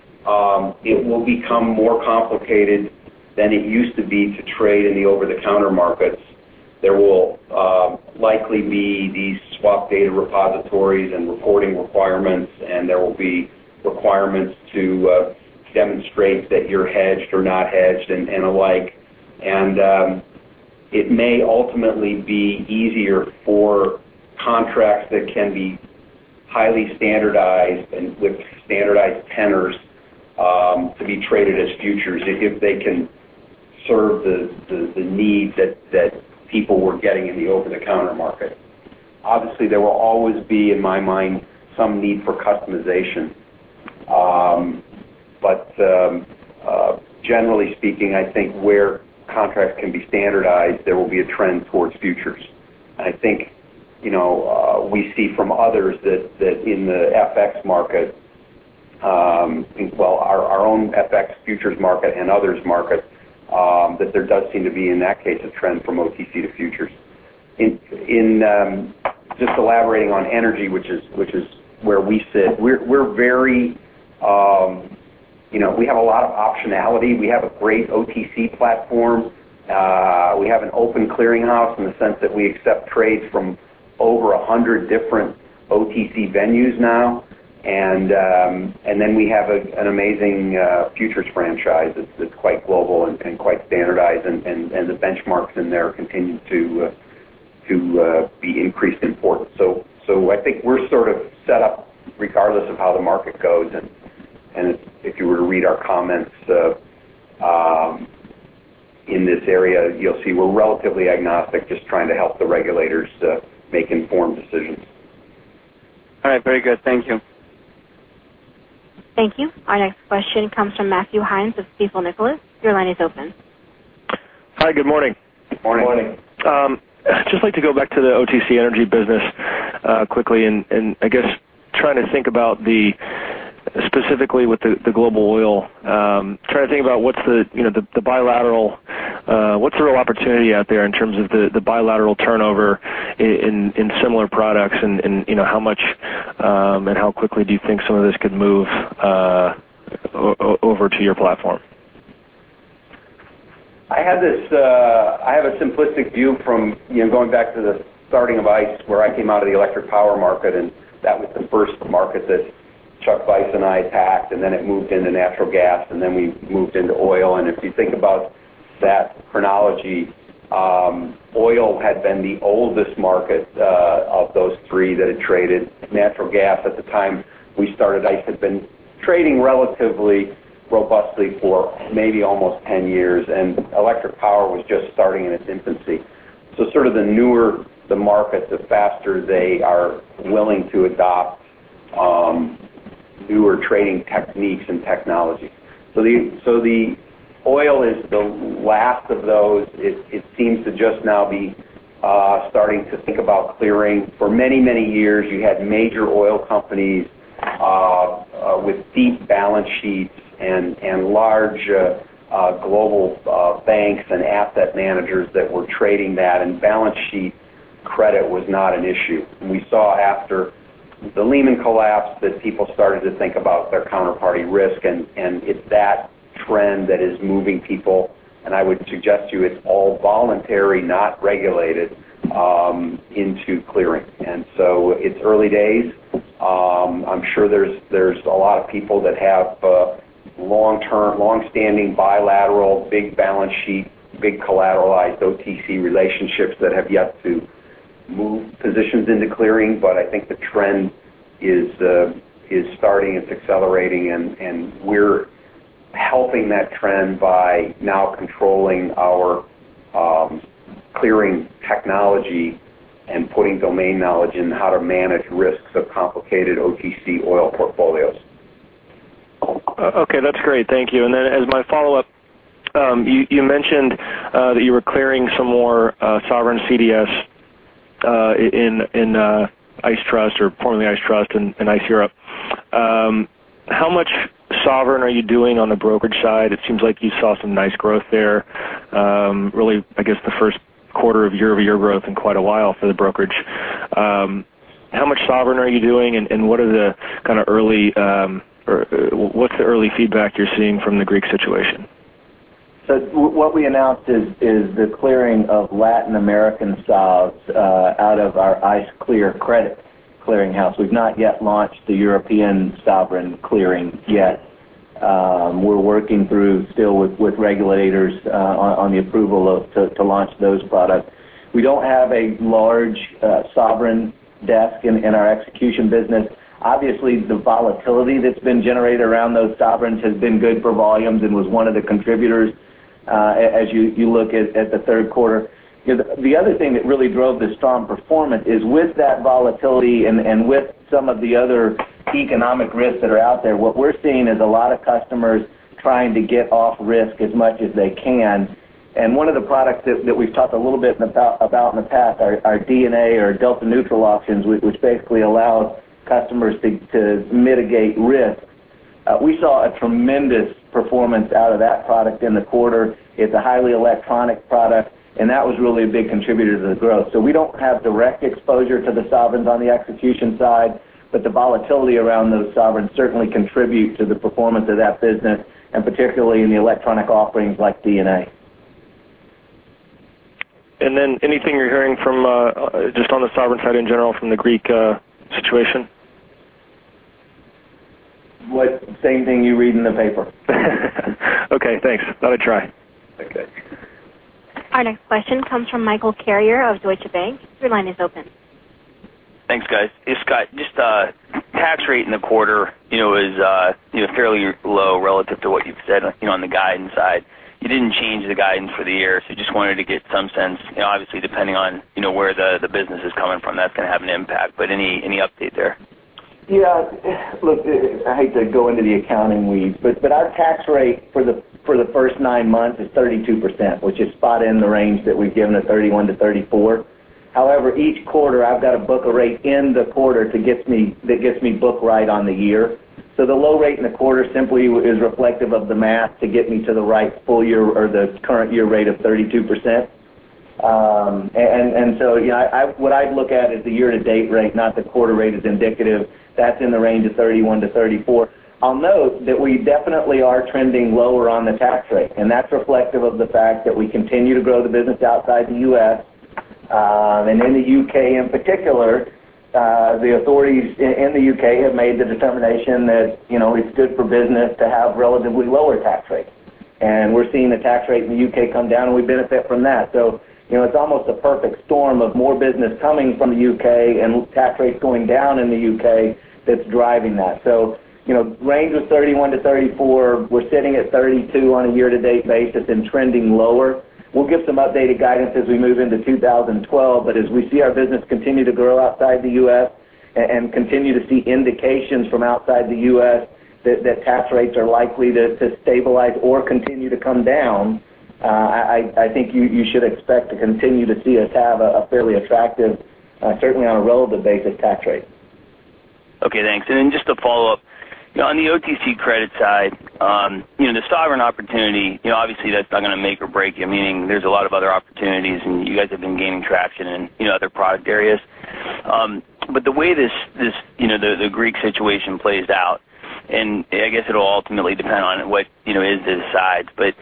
Speaker 4: it will become more complicated than it used to be to trade in the over-the-counter markets. There will likely be these swap data repositories and reporting requirements, and there will be requirements to demonstrate that you're hedged or not hedged and the like. It may ultimately be easier for contracts that can be highly standardized and with standardized tenors to be traded as futures if they can serve the needs that people were getting in the over-the-counter market. Obviously, there will always be, in my mind, some need for customization. Generally speaking, I think where contracts can be standardized, there will be a trend towards futures. I think, you know, we see from others that in the FX market, our own FX futures market and others' market, that there does seem to be, in that case, a trend from OTC to futures. Just elaborating on energy, which is where we sit, we're very, you know, we have a lot of optionality. We have a great OTC platform. We have an open clearinghouse in the sense that we accept trades from over 100 different OTC venues now. We have an amazing futures franchise that's quite global and quite standardized, and the benchmarks in there continue to be increased importance. I think we're sort of set up regardless of how the market goes. If you were to read our comments in this area, you'll see we're relatively agnostic, just trying to help the regulators make informed decisions.
Speaker 8: All right, very good. Thank you.
Speaker 1: Thank you. Our next question comes from Matthew Heinz of Stifel Nicolaus. Your line is open.
Speaker 9: Hi, good morning.
Speaker 3: Morning.
Speaker 4: Morning.
Speaker 9: I'd just like to go back to the OTC Energy business quickly and I guess trying to think about specifically with the global oil, trying to think about what's the, you know, the bilateral, what's the real opportunity out there in terms of the bilateral turnover in similar products and, you know, how much and how quickly do you think some of this could move over to your platform?
Speaker 4: I have a simplistic view from, you know, going back to the starting of ICE where I came out of the electric power market and that was the first market that Chuck Vice and I packed, and then it moved into natural gas, and then we moved into oil. If you think about that chronology, oil had been the oldest market of those three that had traded natural gas at the time we started. ICE had been trading relatively robustly for maybe almost 10 years, and electric power was just starting in its infancy. The newer the market, the faster they are willing to adopt newer trading techniques and technology. The oil is the last of those. It seems to just now be starting to think about clearing. For many, many years, you had major oil companies with deep balance sheets and large global banks and asset managers that were trading that, and balance sheet credit was not an issue. We saw after the Lehman collapse that people started to think about their counterparty risk, and it's that trend that is moving people, and I would suggest to you it's all voluntary, not regulated, into clearing. It's early days. I'm sure there's a lot of people that have long-term, longstanding bilateral big balance sheet, big collateralized OTC relationships that have yet to move positions into clearing, but I think the trend is starting and accelerating, and we're helping that trend by now controlling our clearing technology and putting domain knowledge in how to manage risks of complicated OTC oil portfolios.
Speaker 9: Okay, that's great. Thank you. As my follow-up, you mentioned that you were clearing some more sovereign CDS in ICE Trust or formerly ICE Trust in ICE Europe. How much sovereign are you doing on the brokerage side? It seems like you saw some nice growth there. Really, I guess the first quarter of year-over-year growth in quite a while for the brokerage. How much sovereign are you doing and what are the kind of early, or what's the early feedback you're seeing from the Greek situation?
Speaker 3: What we announced is the clearing of Latin American stocks out of our ICE Clear Credit clearinghouse. We've not yet launched the European sovereign clearings yet. We're working through still with regulators on the approval to launch those products. We don't have a large sovereign desk in our execution business. Obviously, the volatility that's been generated around those sovereigns has been good for volumes and was one of the contributors as you look at the third quarter. The other thing that really drove the strong performance is with that volatility and with some of the other economic risks that are out there, what we're seeing is a lot of customers trying to get off risk as much as they can. One of the products that we've talked a little bit about in the past are DNA or delta neutral options, which basically allow customers to mitigate risk. We saw a tremendous performance out of that product in the quarter. It's a highly electronic product, and that was really a big contributor to the growth. We don't have direct exposure to the sovereigns on the execution side, but the volatility around those sovereigns certainly contributes to the performance of that business, and particularly in the electronic offerings like DNA.
Speaker 9: Is there anything you're hearing just on the sovereign side in general from the Greek situation?
Speaker 3: Same thing you read in the paper.
Speaker 9: Okay, thanks. Let me try.
Speaker 3: Okay.
Speaker 1: Our next question comes from Michael Carrier of Deutsche Bank. Your line is open.
Speaker 10: Thanks, guys. Scott, just the tax rate in the quarter is fairly low relative to what you've said on the guidance side. You didn't change the guidance for the year, so I just wanted to get some sense, obviously depending on where the business is coming from, that's going to have an impact, but any update there?
Speaker 3: Yeah, look, I hate to go into the accounting weeds, but our tax rate for the first nine months is 32%, which is spot in the range that we've given at 31%-34%. However, each quarter, I've got to book a rate in the quarter that gets me booked right on the year. The low rate in the quarter simply is reflective of the math to get me to the right full year or the current year rate of 32%. What I'd look at is the year-to-date rate, not the quarter rate, as indicative. That's in the range of 31%-34%. I'll note that we definitely are trending lower on the tax rate, and that's reflective of the fact that we continue to grow the business outside the U.S. In the U.K. in particular, the authorities in the U.K. have made the determination that it's good for business to have a relatively lower tax rate. We're seeing the tax rate in the U.K. come down, and we benefit from that. It's almost a perfect storm of more business coming from the U.K. and tax rates going down in the U.K. that's driving that. Range of 31%-34%, we're sitting at 32% on a year-to-date basis, then trending lower. We'll give some updated guidance as we move into 2012, but as we see our business continue to grow outside the U.S. and continue to see indications from outside the U.S. that tax rates are likely to stabilize or continue to come down, I think you should expect to continue to see us have a fairly attractive, certainly on a relative basis, tax rate.
Speaker 10: Okay, thanks. Just to follow up, on the OTC credit side, the sovereign opportunity, obviously that's not going to make or break you, meaning there's a lot of other opportunities, and you guys have been gaining traction in other product areas. The way this, the Greek situation plays out, I guess it'll ultimately depend on what is decided, but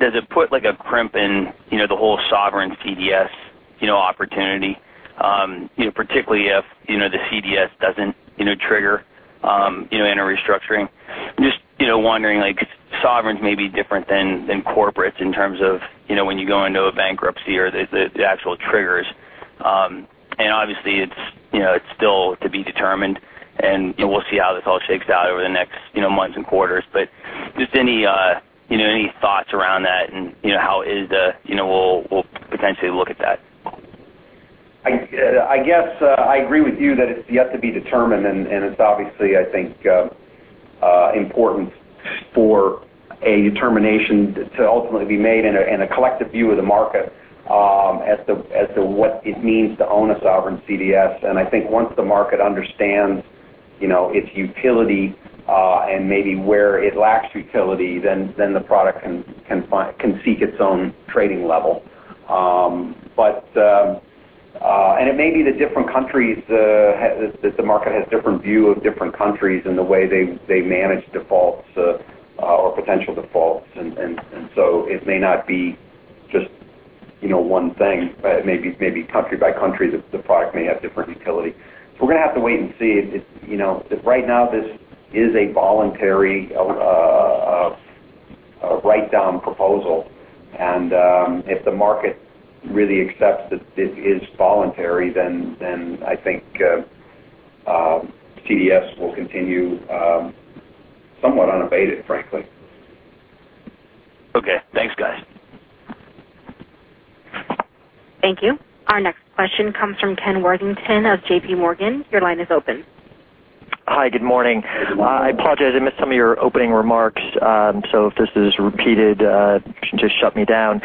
Speaker 10: does it put a crimp in the whole sovereign CDS opportunity, particularly if the CDS doesn't trigger in a restructuring? Just wondering, sovereigns may be different than corporates in terms of when you go into a bankruptcy or the actual triggers. Obviously, it's still to be determined, and we'll see how this all shakes out over the next months and quarters. Any thoughts around that and how is the, we'll potentially look at that.
Speaker 4: I agree with you that it's yet to be determined, and it's obviously, I think, important for a determination to ultimately be made in a collective view of the market as to what it means to own a sovereign CDS. I think once the market understands its utility and maybe where it lacks utility, then the product can seek its own trading level. It may be that the market has a different view of different countries and the way they manage defaults or potential defaults. It may not be just one thing, but it may be country by country, the product may have different utility. We're going to have to wait and see. Right now, this is a voluntary write-down proposal. If the market really accepts that this is voluntary, then I think CDS will continue somewhat unabated, frankly.
Speaker 10: Okay, thanks, guys.
Speaker 1: Thank you. Our next question comes from Ken Worthington of JPMorgan. Your line is open.
Speaker 11: Hi, good morning. I apologize, I missed some of your opening remarks. If this is repeated, just shut me down.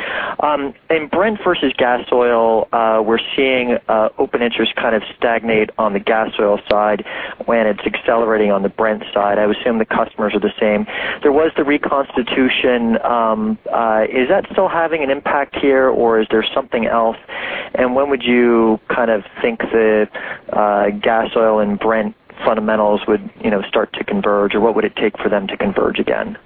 Speaker 11: In Brent versus Gas Oil, we're seeing open interest kind of stagnate on the Gas Oil side when it's accelerating on the Brent side. I would assume the customers are the same. There was the reconstitution. Is that still having an impact here, or is there something else? When would you kind of think the Gas Oil and Brent fundamentals would start to converge, or what would it take for them to converge again?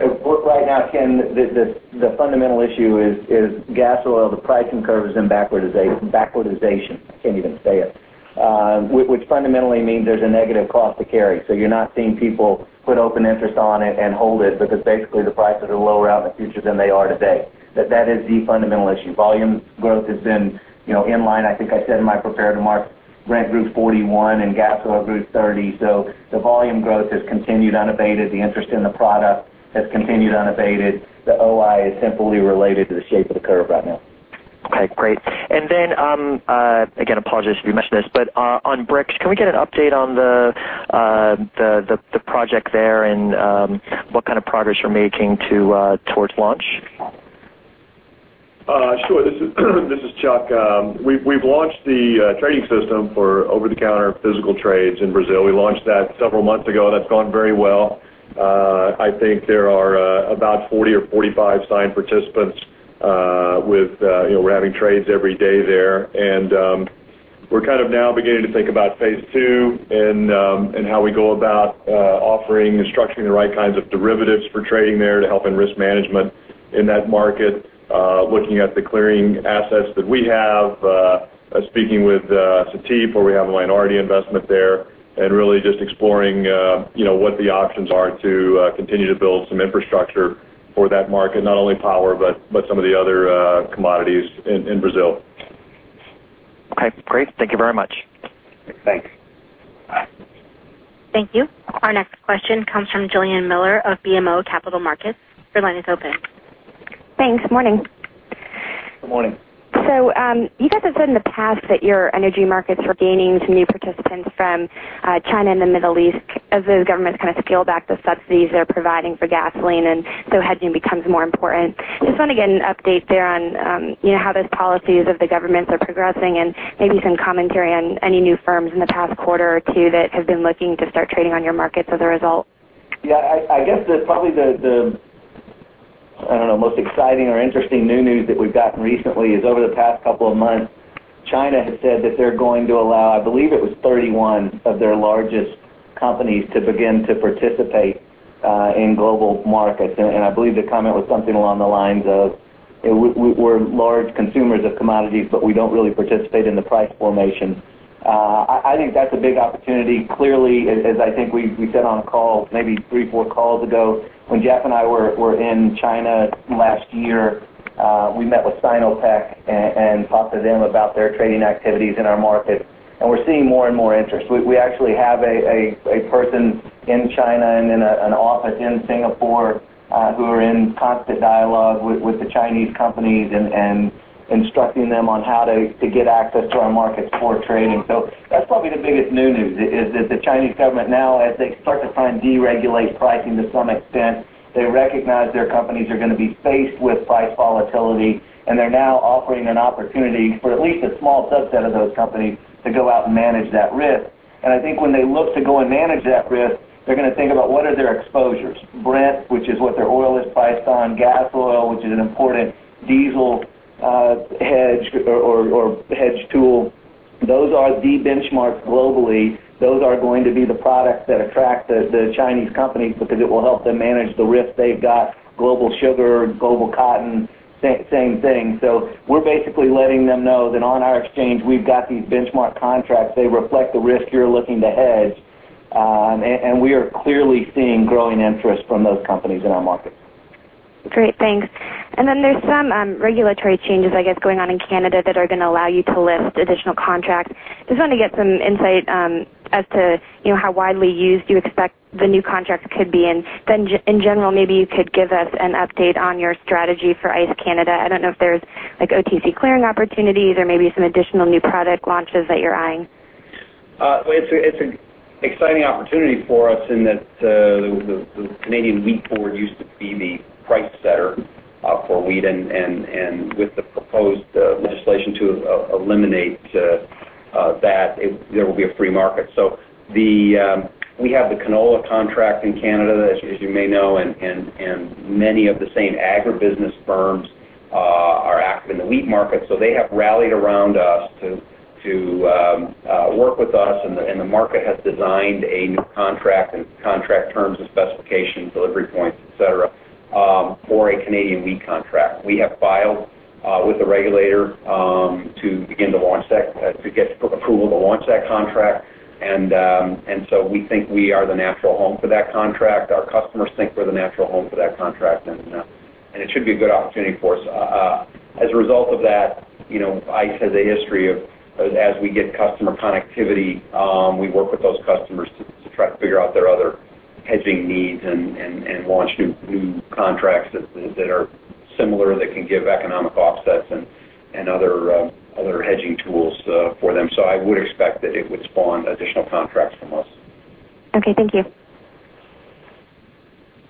Speaker 3: Right now, Ken, the fundamental issue is gas oil, the pricing curve is in backwardization. I can't even say it, which fundamentally means there's a negative cost to carry. You're not seeing people put open interest on it and hold it because basically the prices are lower out in the future than they are today. That is the fundamental issue. Volume growth has been in line. I think I said in my prepared remark, Brent grew 41% and gas oil grew 30%. The volume growth has continued unabated. The interest in the product has continued unabated. The OI is simply related to the shape of the curve right now.
Speaker 11: Okay, great. Again, apologies if you mentioned this, but on BRIX, can we get an update on the project there and what kind of progress you're making towards launch?
Speaker 12: Sure, this is Chuck. We've launched the trading system for over-the-counter physical trades in Brazil. We launched that several months ago. That's gone very well. I think there are about 40 or 45 signed participants with, you know, we're having trades every day there. We're kind of now beginning to think about phase two and how we go about offering and structuring the right kinds of derivatives for trading there to help in risk management in that market, looking at the clearing assets that we have, speaking with SATIF where we have a minority investment there, and really just exploring what the options are to continue to build some infrastructure for that market, not only power, but some of the other commodities in Brazil.
Speaker 11: Okay, great. Thank you very much.
Speaker 4: Thanks.
Speaker 1: Thank you. Our next question comes from Jillian Miller of BMO Capital Markets. Your line is open.
Speaker 13: Thanks. Morning.
Speaker 4: Morning.
Speaker 13: You guys have said in the past that your Energy Markets were gaining some new participants from China and the Middle East as the governments kind of scaled back the subsidies they're providing for gasoline, and so hedging becomes more important. I just want to get an update there on how those policies of the government are progressing and maybe some commentary on any new firms in the past quarter or two that have been looking to start trading on your markets as a result.
Speaker 3: Yeah, I guess that probably the, I don't know, most exciting or interesting new news that we've gotten recently is over the past couple of months, China has said that they're going to allow, I believe it was 31 of their largest companies to begin to participate in global markets. I believe the comment was something along the lines of, you know, we're large consumers of commodities, but we don't really participate in the price formation. I think that's a big opportunity. Clearly, as I think we said on a call maybe three, four calls ago, when Jeff and I were in China last year, we met with Sinopec and talked to them about their trading activities in our market. We're seeing more and more interest. We actually have a person in China and then an office in Singapore who are in constant dialogue with the Chinese companies and instructing them on how to get access to our markets for trading. That's probably the biggest new news is that the Chinese government now, as they start to try and deregulate pricing to some extent, they recognize their companies are going to be faced with price volatility, and they're now offering an opportunity for at least a small subset of those companies to go out and manage that risk. I think when they look to go and manage that risk, they're going to think about what are their exposures. Brent, which is what their oil is priced on, gas oil, which is an important diesel hedge or hedge tool, those are the benchmarks globally. Those are going to be the products that attract the Chinese companies because it will help them manage the risks they've got. Global sugar, global cotton, same thing. We're basically letting them know that on our exchange, we've got these benchmark contracts. They reflect the risk you're looking to hedge. We are clearly seeing growing interest from those companies in our market.
Speaker 13: Great, thanks. There's some regulatory changes, I guess, going on in Canada that are going to allow you to list additional contracts. Just want to get some insight as to, you know, how widely used you expect the new contracts could be. In general, maybe you could give us an update on your strategy for ICE Canada. I don't know if there's like OTC clearing opportunities or maybe some additional new product launches that you're eyeing.
Speaker 4: It's an exciting opportunity for us in that the Canadian Wheat Board used to be the price setter for wheat. With the proposed legislation to eliminate that, there will be a free market. We have the canola contract in Canada, as you may know, and many of the same agribusiness firms are active in the wheat market. They have rallied around us to work with us, and the market has designed a new contract and contract terms and specifications, delivery points, etc., for a Canadian wheat contract. We have filed with a regulator to begin to launch that, to get approval to launch that contract. We think we are the natural home for that contract. Our customers think we're the natural home for that contract, and it should be a good opportunity for us. As a result of that, Intercontinental Exchange has a history of, as we get customer connectivity, we work with those customers to try to figure out their other hedging needs and launch new contracts that are similar that can give economic offsets and other hedging tools for them. I would expect that it would spawn additional contracts from us.
Speaker 13: Okay, thank you.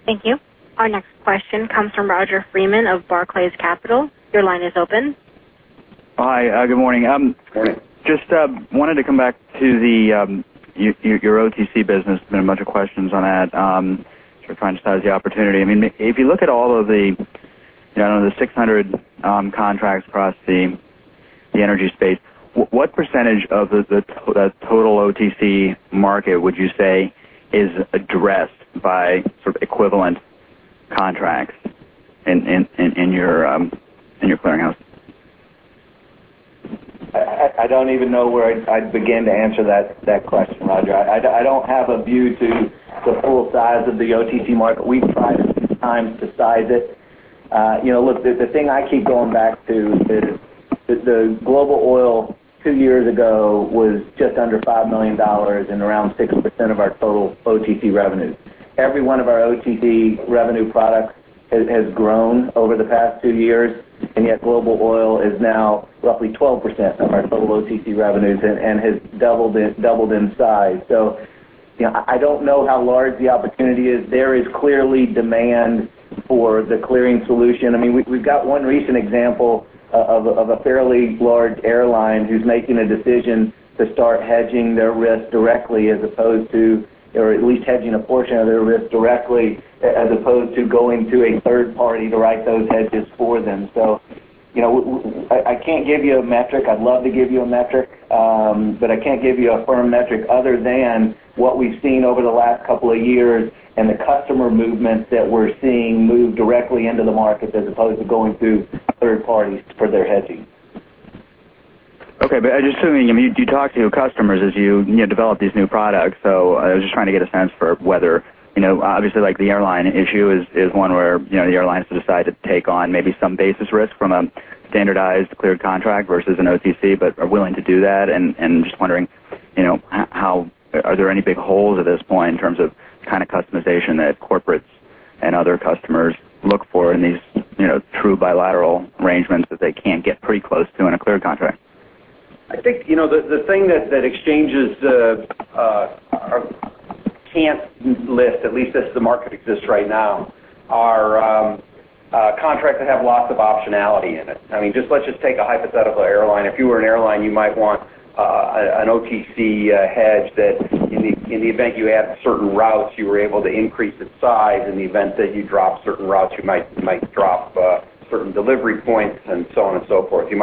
Speaker 1: Thank you. Our next question comes from Roger Freeman of Barclays Capital. Your line is open.
Speaker 14: Hi, good morning.
Speaker 4: Good morning.
Speaker 14: Just wanted to come back to your OTC business. There's been a bunch of questions on that. We're trying to size the opportunity. If you look at all of the, I don't know, the 600 contracts across the energy space, what percentage of the total OTC market would you say is addressed by sort of equivalent contracts in your clearinghouse?
Speaker 3: I don't even know where I'd begin to answer that question, Roger. I don't have a view to full size of the OTC market. We've tried a few times to size it. The thing I keep going back to is the global oil two years ago was just under $5 million and around 60% of our total OTC revenue. Every one of our OTC revenue products has grown over the past two years, and yet global oil is now roughly 12% of our total OTC revenues and has doubled in size. I don't know how large the opportunity is. There is clearly demand for the clearing solution. We've got one recent example of a fairly large airline who's making a decision to start hedging their risk directly as opposed to, or at least hedging a portion of their risk directly as opposed to going to a third party to write those hedges for them. I can't give you a metric. I'd love to give you a metric, but I can't give you a firm metric other than what we've seen over the last couple of years and the customer movements that we're seeing move directly into the market as opposed to going through third parties for their hedging.
Speaker 14: Okay, I'm just assuming, do you talk to customers as you develop these new products? I was just trying to get a sense for whether, you know, obviously, like the airline issue is one where the airlines decide to take on maybe some basis risk from a standardized cleared contract versus an OTC, but are willing to do that. Just wondering, are there any big holes at this point in terms of kind of customization that corporates and other customers look for in these true bilateral arrangements that they can't get pretty close to in a cleared contract?
Speaker 3: I think the thing that exchanges are chance-less, at least as the market exists right now, are contracts that have lots of optionality in it. I mean, just let's just take a hypothetical airline. If you were an airline, you might want an OTC hedge that in the event you add certain routes, you were able to increase its size. In the event that you drop certain routes, you might drop certain delivery points and so on and so forth. You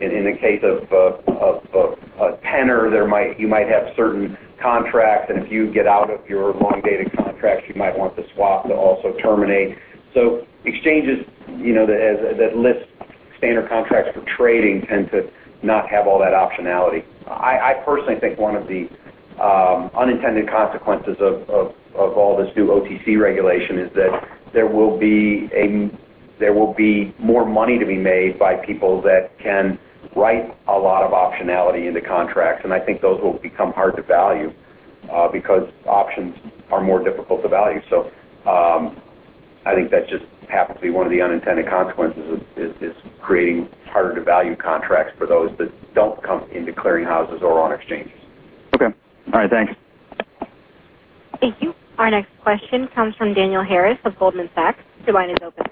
Speaker 3: might, in the case of a tenor, have certain contracts, and if you get out of your long-dated contracts, you might want to swap to also terminate. Exchanges that list standard contracts for trading tend to not have all that optionality. I personally think one of the unintended consequences of all this new OTC regulation is that there will be more money to be made by people that can write a lot of optionality into contracts. I think those will become hard to value because options are more difficult to value. I think that just happens to be one of the unintended consequences, creating harder to value contracts for those that don't come into clearinghouses or on exchange.
Speaker 14: Okay. All right, thanks.
Speaker 1: Thank you. Our next question comes from Daniel Harris of Goldman Sachs. Your line is open.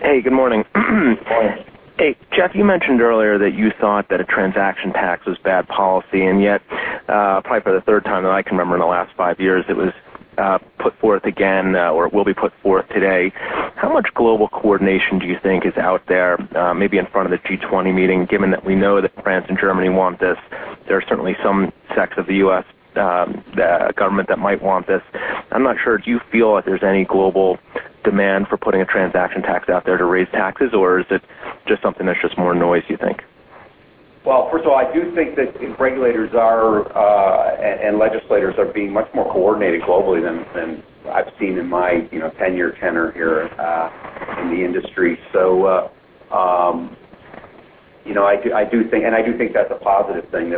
Speaker 15: Hey, good morning.
Speaker 4: Good morning.
Speaker 15: Hey, Jeff, you mentioned earlier that you thought that a transaction tax was bad policy, and yet, probably for the third time that I can remember in the last five years, it was put forth again or it will be put forth today. How much global coordination do you think is out there, maybe in front of the G20 meeting, given that we know that France and Germany want this? There are certainly some sects of the U.S. government that might want this. I'm not sure. Do you feel that there's any global demand for putting a transaction tax out there to raise taxes, or is it just something that's just more noise, do you think?
Speaker 4: First of all, I do think that if regulators and legislators are being much more coordinated globally than I've seen in my 10-year tenure here in the industry, I do think that's a positive thing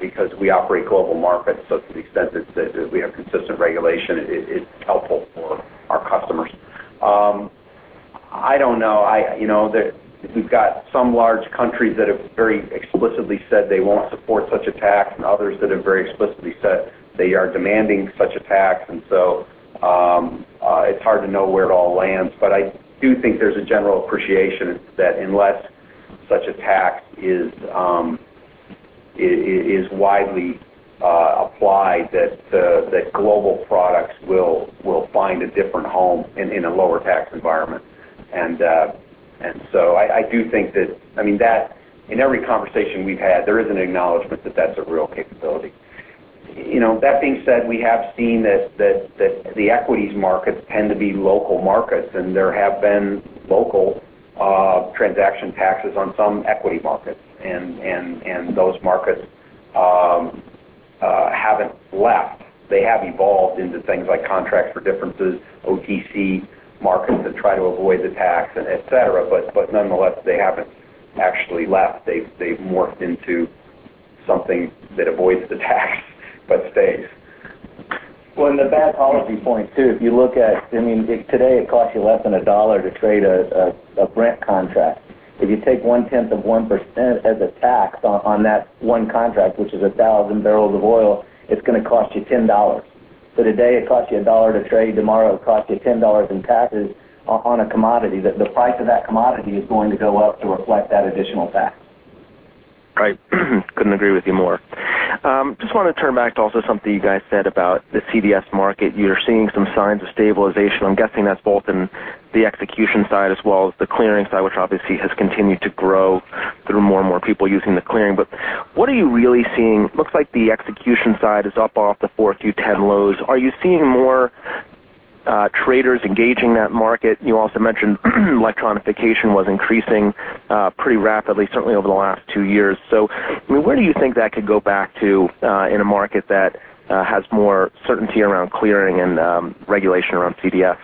Speaker 4: because we operate global markets. To the extent that we have consistent regulation, it's helpful for our customers. I don't know if we've got some large countries that have very explicitly said they won't support such a tax and others that have very explicitly said they are demanding such a tax, it's hard to know where it all lands. I do think there's a general appreciation that unless such a tax is widely applied, global products will find a different home in a lower tax environment. I do think that in every conversation we've had, there is an acknowledgment that that's a real capability. That being said, we have seen that the equities markets tend to be local markets, and there have been local transaction taxes on some equity markets, and those markets haven't left. They have evolved into things like contracts for differences, OTC markets that try to avoid the tax, etc. Nonetheless, they haven't actually left. They've morphed into something that avoids the tax but stays.
Speaker 3: If you look at, I mean, if today it costs you less than $1 to trade a Brent contract, if you take 0.1% as a tax on that one contract, which is 1,000 barrels of oil, it's going to cost you $10. Today it costs you $1 to trade, tomorrow it costs you $10 in taxes on a commodity. The price of that commodity is going to go up to what that additional tax.
Speaker 15: Right. Couldn't agree with you more. Just want to turn back to also something you guys said about the CDS market. You're seeing some signs of stabilization. I'm guessing that's both in the execution side as well as the clearing side, which obviously has continued to grow through more and more people using the clearing. What are you really seeing? It looks like the execution side is up off the four-year ten lows. Are you seeing more traders engaging that market? You also mentioned electronification was increasing pretty rapidly, certainly over the last two years. Where do you think that could go back to in a market that has more certainty around clearing and regulation around CDS?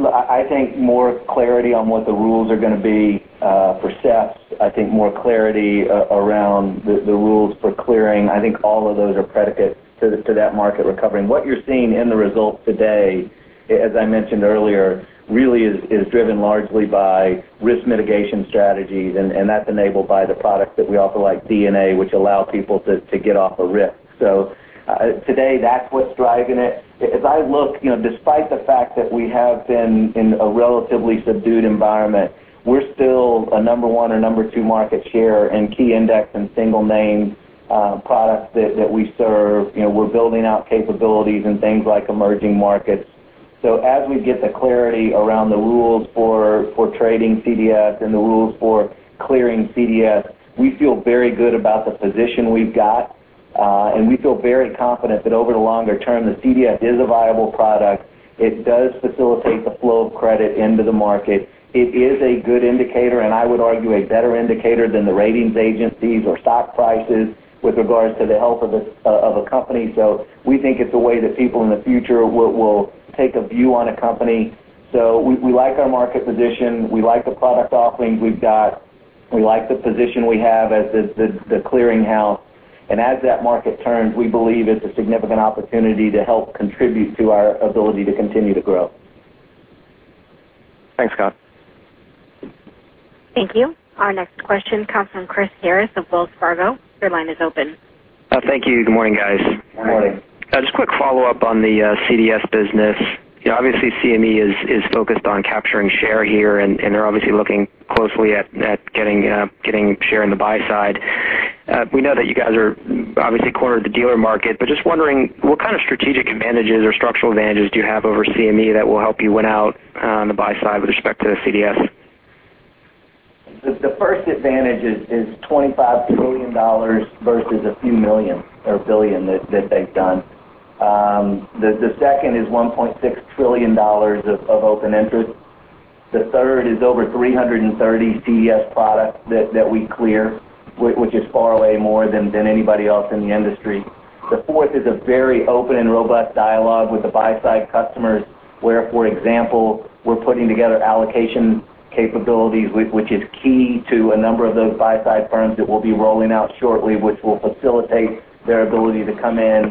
Speaker 3: I think more clarity on what the rules are going to be for SES. I think more clarity around the rules for clearing. I think all of those are predicate to that market recovery. What you're seeing in the result today, as I mentioned earlier, really is driven largely by risk mitigation strategies, and that's enabled by the products that we offer like DNA, which allow people to get off the risk. Today, that's what's driving it. As I look, despite the fact that we have been in a relatively subdued environment, we're still a number one and number two market share in key index and single name products that we serve. We're building out capabilities in things like emerging markets. As we get the clarity around the rules for trading CDS and the rules for clearing CDS, we feel very good about the position we've got, and we feel very confident that over the longer-term, the CDS is a viable product. It does facilitate the flow of credit into the market. It is a good indicator, and I would argue a better indicator than the ratings agencies or stock prices with regards to the health of a company. We think it's a way that people in the future will take a view on a company. We like our market position. We like the product offerings we've got. We like the position we have as the clearinghouse. As that market turns, we believe it's a significant opportunity to help contribute to our ability to continue to grow.
Speaker 15: Thanks, Scott.
Speaker 1: Thank you. Our next question comes from Chris Harris of Wells Fargo. Your line is open.
Speaker 16: Thank you. Good morning, guys. Just a quick follow-up on the CDS business. Obviously, CME is focused on capturing share here, and they're obviously looking closely at getting share in the buy side. We know that you guys have obviously cornered the dealer market, but just wondering, what kind of strategic advantages or structural advantages do you have over CME that will help you win out on the buy side with respect to CDS?
Speaker 3: First advantage is $25 trillion versus a few million or billion that they've done. The second is $1.6 trillion of open interest. The third is over 330 CDS products that we clear, which is far way more than anybody else in the industry. The fourth is a very open and robust dialogue with the buy-side customers where, for example, we're putting together allocation capabilities, which is key to a number of those buy-side firms that we'll be rolling out shortly, which will facilitate their ability to come in.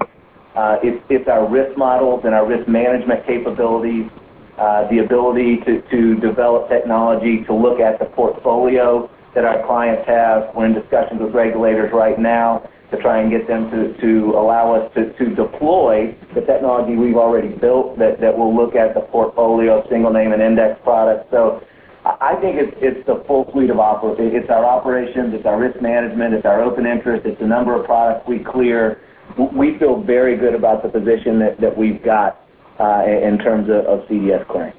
Speaker 3: It's our risk models and our risk management capabilities, the ability to develop technology to look at the portfolio that our clients have. We're in discussions with regulators right now to try and get them to allow us to deploy the technology we've already built that will look at the portfolio of single name and index products. I think it's the full suite of offers. It's our operations, it's our risk management, it's our open interest, it's the number of products we clear. We feel very good about the position that we've got in terms of CDS clearing.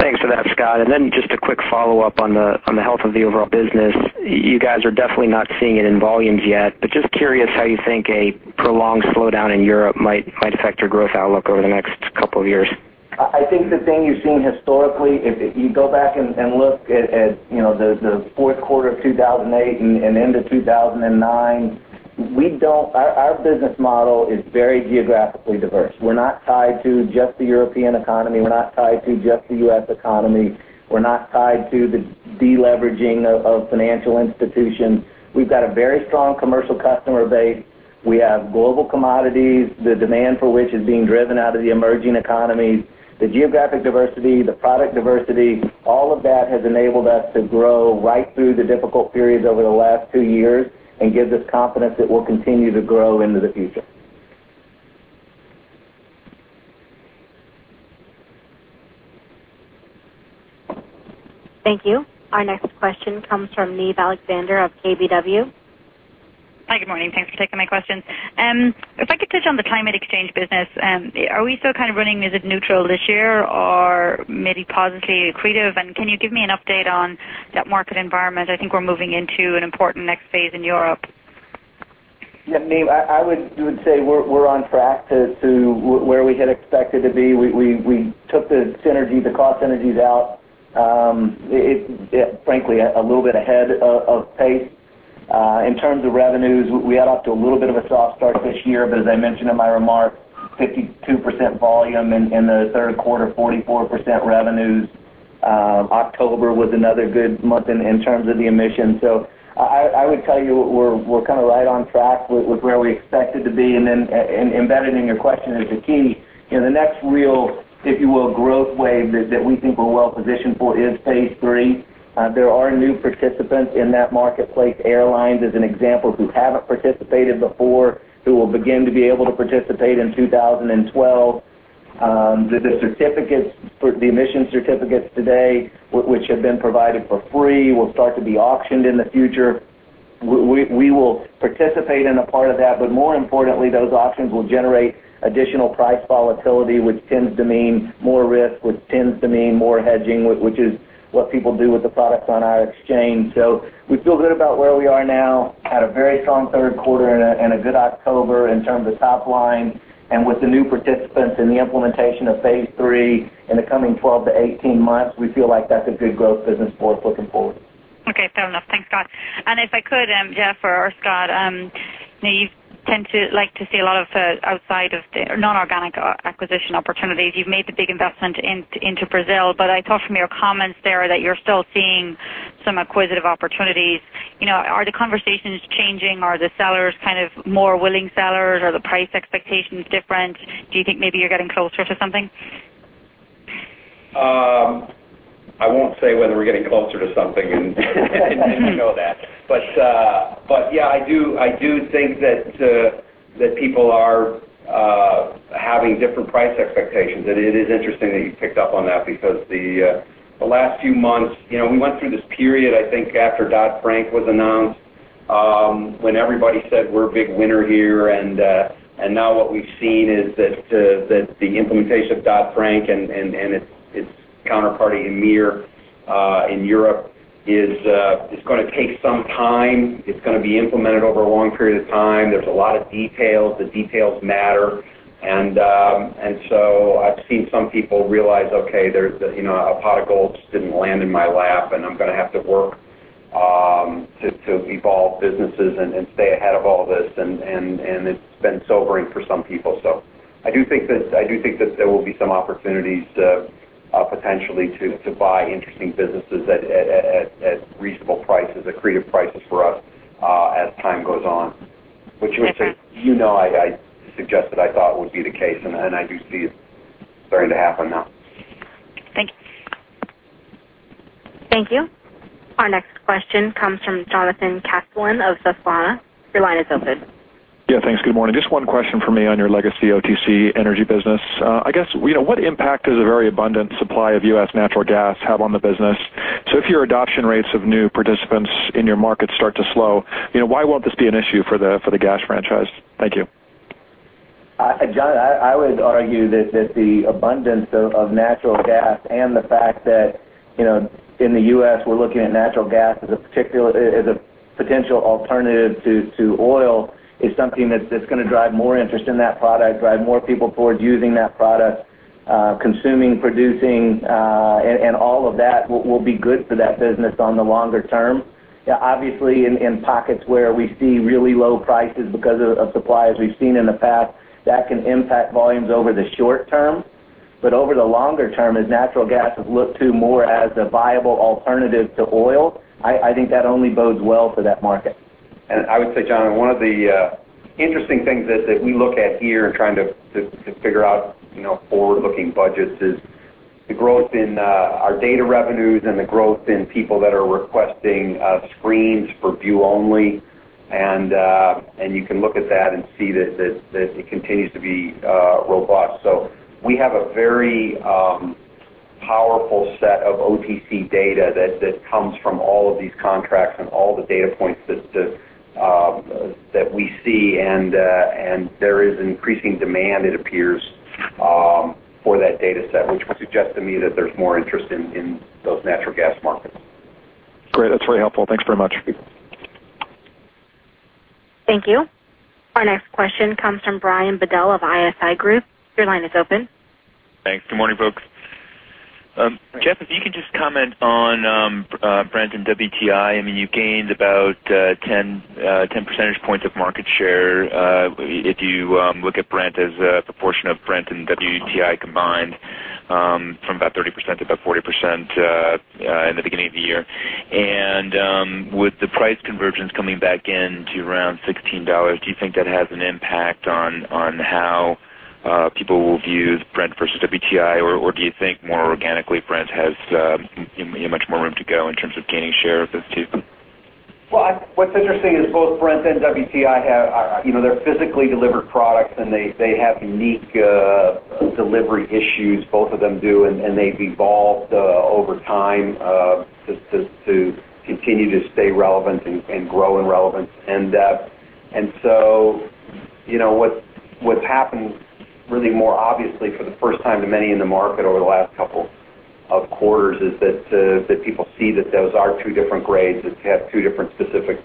Speaker 16: Thanks for that, Scott. Just a quick follow-up on the health of the overall business. You guys are definitely not seeing it in volumes yet, but just curious how you think a prolonged slowdown in Europe might affect your growth outlook over the next couple of years.
Speaker 3: I think the thing you've seen historically, if you go back and look at the fourth quarter of 2008 and end of 2009, our business model is very geographically diverse. We're not tied to just the European economy. We're not tied to just the U.S. economy. We're not tied to the deleveraging of financial institutions. We've got a very strong commercial customer base. We have global commodities, the demand for which is being driven out of the emerging economies. The geographic diversity, the product diversity, all of that has enabled us to grow right through the difficult periods over the last two years and give this confidence that we'll continue to grow into the future.
Speaker 1: Thank you. Our next question comes from Niamh Alexander of KBW.
Speaker 17: Hi, good morning. Thanks for taking my question. If I could touch on the climate exchange business, are we still kind of running as a neutral this year or maybe positively accretive? Can you give me an update on that market environment? I think we're moving into an important next phase in Europe.
Speaker 3: Yeah, Niamh, I would say we're on track to where we had expected to be. We took the cost synergies out, frankly, a little bit ahead of pace. In terms of revenues, we had off to a little bit of a soft start this year, but as I mentioned in my remarks, 52% volume in the third quarter, 44% revenues. October was another good month in terms of the emissions. I would tell you we're kind of right on track with where we expected to be. Embedded in your question is the key. The next real, if you will, growth wave that we think we're well positioned for is phase three. There are new participants in that marketplace, airlines as an example, who haven't participated in before, who will begin to be able to participate in 2012. The emission certificates today, which have been provided for free, will start to be auctioned in the future. We will participate in a part of that, but more importantly, those auctions will generate additional price volatility, which tends to mean more risk, which tends to mean more hedging, which is what people do with the products on our exchange. We feel good about where we are now, had a very strong third quarter and a good October in terms of top line. With the new participants and the implementation of phase three in the coming 12-18 months, we feel like that's a good growth business for us looking forward.
Speaker 17: Okay, fair enough. Thanks, Scott. If I could, Jeff or Scott, you know, you tend to like to see a lot of outside of non-organic acquisition opportunities. You've made the big investment into Brazil, but I saw from your comments there that you're still seeing some acquisitive opportunities. Are the conversations changing? Are the sellers kind of more willing sellers? Are the price expectations different? Do you think maybe you're getting closer to something?
Speaker 4: I won't say whether we're getting closer to something, you know that. Yeah, I do think that people are having different price expectations. It is interesting that you picked up on that because the last few months, we went through this period, I think, after Dodd-Frank was announced when everybody said we're a big winner here. Now what we've seen is that the implementation of Dodd-Frank and its counterparty EMIR in Europe is going to take some time. It's going to be implemented over a long period of time. There are a lot of details. The details matter. I've seen some people realize, okay, there's a pot of gold that didn't land in my lap, and I'm going to have to work to evolve businesses and stay ahead of all this. It's been sobering for some people. I do think that there will be some opportunities to potentially buy interesting businesses at reasonable prices, at creative prices for us as time goes on, which I suggested I thought would be the case, and I do see it starting to happen now.
Speaker 17: Thank you.
Speaker 1: Thank you. Our next question comes from Jonathan Casteleyn of Susquehanna. Your line is open.
Speaker 18: Yeah, thanks. Good morning. Just one question for me on your legacy OTC Energy business. I guess, you know, what impact does a very abundant supply of U.S. natural gas have on the business? If your adoption rates of new participants in your market start to slow, you know, why won't this be an issue for the gas franchise? Thank you.
Speaker 3: John, I would argue that the abundance of natural gas and the fact that, you know, in the U.S., we're looking at natural gas as a potential alternative to oil is something that's going to drive more interest in that product, drive more people towards using that product, consuming, producing, and all of that will be good for that business on the longer-term. Obviously, in pockets where we see really low prices because of supplies we've seen in the past, that can impact volumes over the short term. Over the longer-term, as natural gas is looked to more as a viable alternative to oil, I think that only bodes well for that market.
Speaker 4: I would say, John, one of the interesting things that we look at here in trying to figure out forward-looking budgets is the growth in our data revenues and the growth in people that are requesting screens for view only. You can look at that and see that it continues to be robust. We have a very powerful set OTC Energy data that comes from all of these contracts and all the data points that we see. There is increasing demand, it appears, for that data set, which would suggest to me that there's more interest in those natural gas markets.
Speaker 18: Great. That's very helpful. Thanks very much.
Speaker 1: Thank you. Our next question comes from Brian Bedell of ISI Group. Your line is open.
Speaker 19: Thanks. Good morning, folks. Jeff, if you could just comment on Brent and WTI. You gained about 10% of market share if you look at Brent as a proportion of Brent and WTI combined from about 30% to about 40% in the beginning of the year. With the price convergence coming back in to around $16, do you think that has an impact on how people will view Brent versus WTI? Do you think more organically, Brent has much more room to go in terms of gaining share of those two?
Speaker 3: Both Brent and WTI have, you know, they're physically delivered products, and they have unique delivery issues. Both of them do, and they've evolved over time just to continue to stay relevant and grow in relevance. What's happened really more obviously for the first time to many in the market over the last couple of quarters is that people see that those are two different grades, that they have two different specific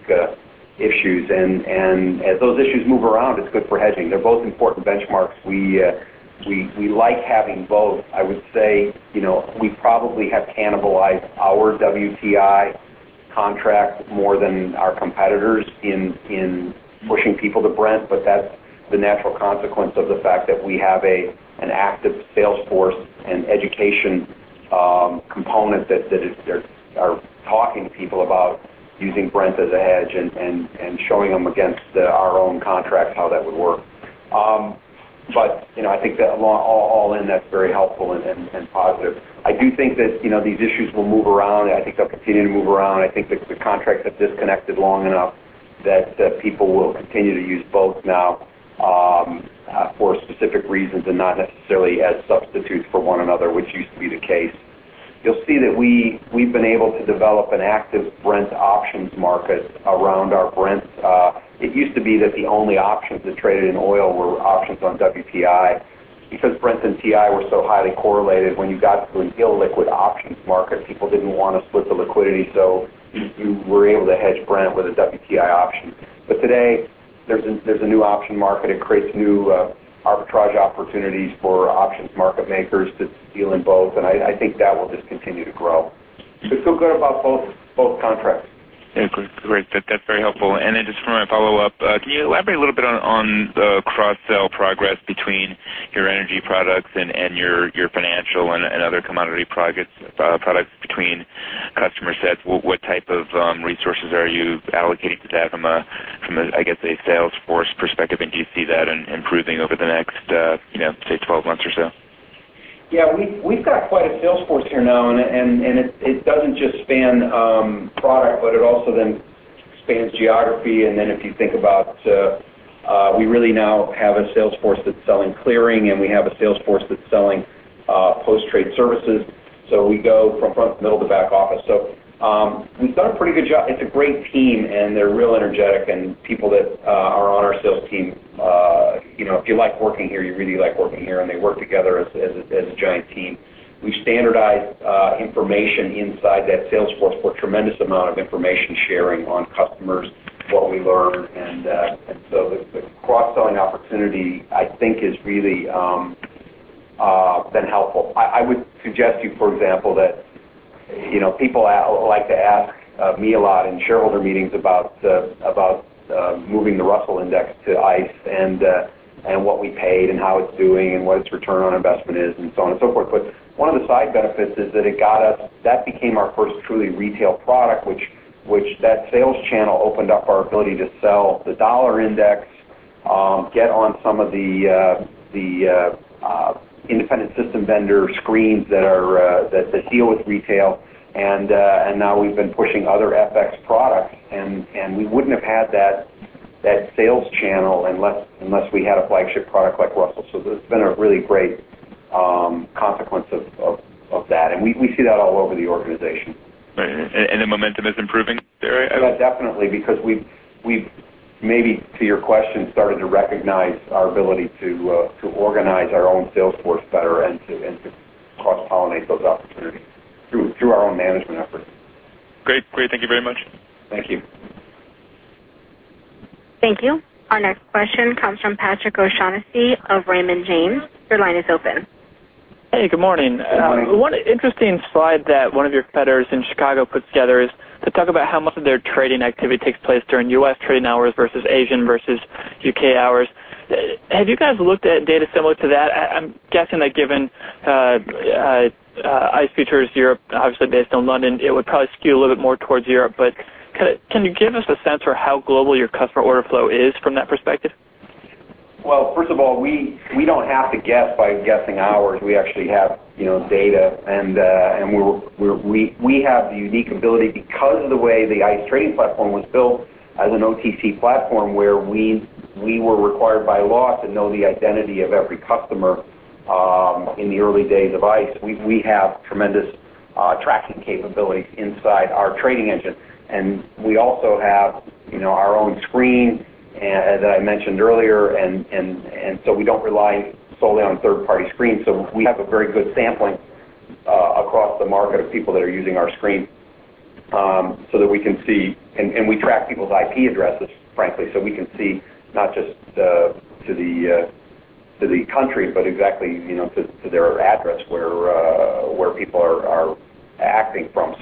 Speaker 3: issues. As those issues move around, it's good for hedging. They're both important benchmarks. We like having both. I would say, you know, we probably have cannibalized our WTI contracts more than our competitors in pushing people to Brent, but that's the natural consequence of the fact that we have an active sales force and education component that are talking to people about using Brent as a hedge and showing them against our own contracts how that would work. I think that all in, that's very helpful and positive. I do think that, you know, these issues will move around. I think they'll continue to move around. I think that the contract is disconnected long enough that people will continue to use both now for specific reasons and not necessarily as substitutes for one another, which used to be the case. You'll see that we've been able to develop an active Brent options market around our Brent. It used to be that the only options that traded in oil were options on WTI because Brent and WTI were so highly correlated. When you got the illiquid options market, people didn't want to split the liquidity, so you were able to hedge Brent with a WTI option. Today, there's a new options market. It creates new arbitrage opportunities for options market makers to deal in both. I think that will just continue to grow.
Speaker 4: Just to clarify, both contracts.
Speaker 19: Yeah, great. That's very helpful. For my follow-up, can you elaborate a little bit on the cross-sell progress between your energy products and your financial and other commodity products between customer sets? What type of resources are you allocating to that from a, I guess, a salesforce perspective? Do you see that improving over the next, you know, say, 12 months or so?
Speaker 4: Yeah, we've got quite a salesforce here now. It doesn't just span product, but it also then spans geography. If you think about it, we really now have a salesforce that's selling clearing, and we have a salesforce that's selling post-trade services. We go from front to middle to back office. We've done a pretty good job. It's a great team, and they're real energetic. People that are on our sales team, you know, if you like working here, you really like working here. They work together as a giant team. We standardize information inside that salesforce for a tremendous amount of information sharing on customers, what we learn. The cross-selling opportunity, I think, has really been helpful. I would suggest to you, for example, that people like to ask me a lot in shareholder meetings about moving the Russell index to Intercontinental Exchange and what we paid and how it's doing and what its return on investment is and so on and so forth. One of the side benefits is that it got us, that became our first truly retail product, which that sales channel opened up our ability to sell the dollar index, get on some of the independent system vendor screens that deal with retail. Now we've been pushing other FX products. We wouldn't have had that sales channel unless we had a flagship product like Russell. It's been a really great consequence of that. We see that all over the organization.
Speaker 19: Right. Is the momentum improving there?
Speaker 4: Yeah, definitely, because we've maybe, to your question, started to recognize our ability to organize our own salesforce better and to cross-pollinate those opportunities through our own management efforts.
Speaker 19: Great. Thank you very much.
Speaker 4: Thank you.
Speaker 1: Thank you. Our next question comes from Patrick O'Shaughnessy of Raymond James. Your line is open.
Speaker 20: Hey, good morning. One interesting slide that one of your competitors in Chicago put together is to talk about how much of their trading activity takes place during U.S. trading hours versus Asian versus U.K. hours. Have you guys looked at data similar to that? I'm guessing that given ICE features Europe, obviously based on London, it would probably skew a little bit more towards Europe. Can you give us a sense for how global your customer order flow is from that perspective?
Speaker 4: First of all, we don't have to guess by guessing hours. We actually have data. We have the unique ability because of the way the Intercontinental Exchange trading platform was built as an OTC platform where we were required by law to know the identity of every customer in the early days of ICE. We have tremendous tracking capabilities inside our trading engine. We also have our own screen that I mentioned earlier, so we don't rely solely on third-party screens. We have a very good sampling across the market of people that are using our screen so that we can see, and we track people's IP addresses, frankly, so we can see not just to the country, but exactly to their address where people are acting from.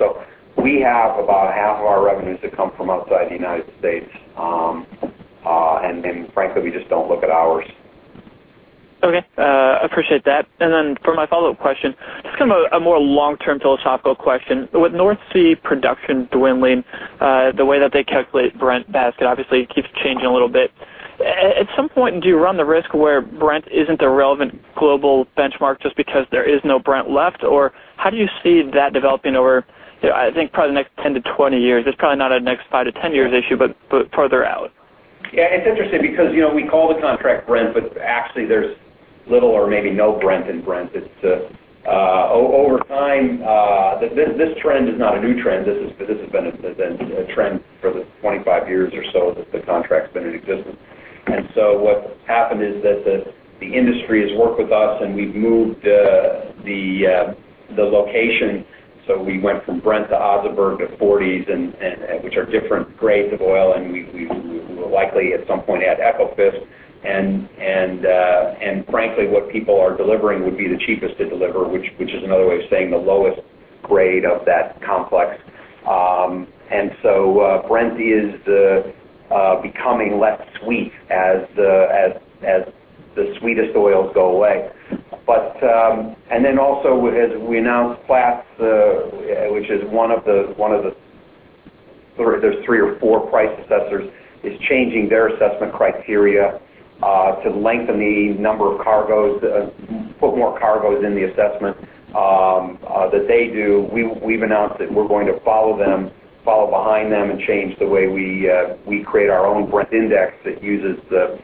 Speaker 4: We have about half of our revenues that come from outside the U.S., and frankly, we just don't look at hours.
Speaker 20: Okay. I appreciate that. For my follow-up question, just kind of a more long-term philosophical question. With North Sea production dwindling, the way that they calculate the Brent basket, obviously, it keeps changing a little bit. At some point, do you run the risk where Brent isn't a relevant global benchmark just because there is no Brent left? How do you see that developing over, I think, probably the next 10-20 years? It's probably not a next 5-10 years issue, but farther out.
Speaker 4: Yeah, it's interesting because, you know, we call the contract Brent, but actually, there's little or maybe no Brent in Brent. Over time, this trend is not a new trend. This has been a trend for the 25 years or so that the contract's been in existence. What's happened is that the industry has worked with us, and we've moved the location. We went from Brent to Oseberg to Forties, which are different grades of oil. We will likely, at some point, add Ekofisk. Frankly, what people are delivering would be the cheapest to deliver, which is another way of saying the lowest grade of that complex. Brent is becoming less sweet as the sweetest oils go away. Also, as we announced Platts, which is one of the, one of the, there's three or four price assessors, is changing their assessment criteria to lengthen the number of cargoes, put more cargoes in the assessment that they do. We've announced that we're going to follow them, follow behind them, and change the way we create our own Brent index that uses the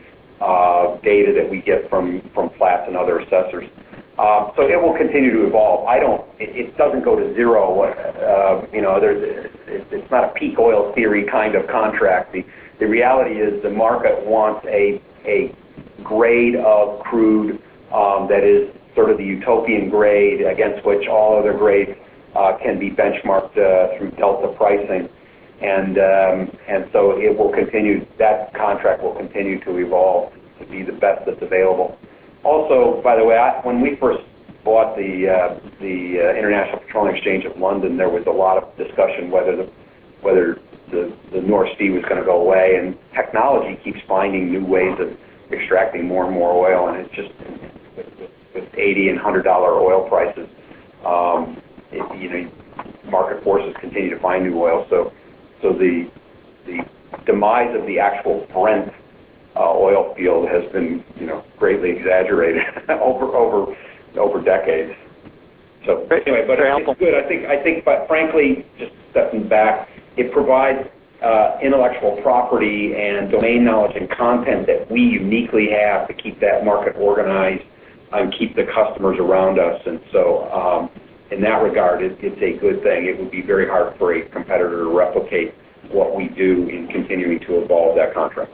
Speaker 4: data that we get from Platts and other assessors. It will continue to evolve. I don't, it doesn't go to zero. You know, it's not a peak oil theory kind of contract. The reality is the market wants a grade of crude that is sort of the utopian grade against which all other grades can be benchmarked through delta pricing. It will continue, that contract will continue to evolve to be the best that's available. Also, by the way, when we first bought the International Petroleum Exchange of London, there was a lot of discussion whether the North Sea was going to go away. Technology keeps finding new ways of extracting more and more oil. It's just, it's $80 and $100 oil prices. You know, market forces continue to find new oil. The demise of the actual Brent oil field has been, you know, greatly exaggerated over decades.
Speaker 20: Very helpful.
Speaker 4: I think, frankly, just stepping back, it provides intellectual property and domain knowledge and content that we uniquely have to keep that market organized and keep the customers around us. In that regard, it's a good thing. It would be very hard for a competitor to replicate what we do in continuing to evolve that contract.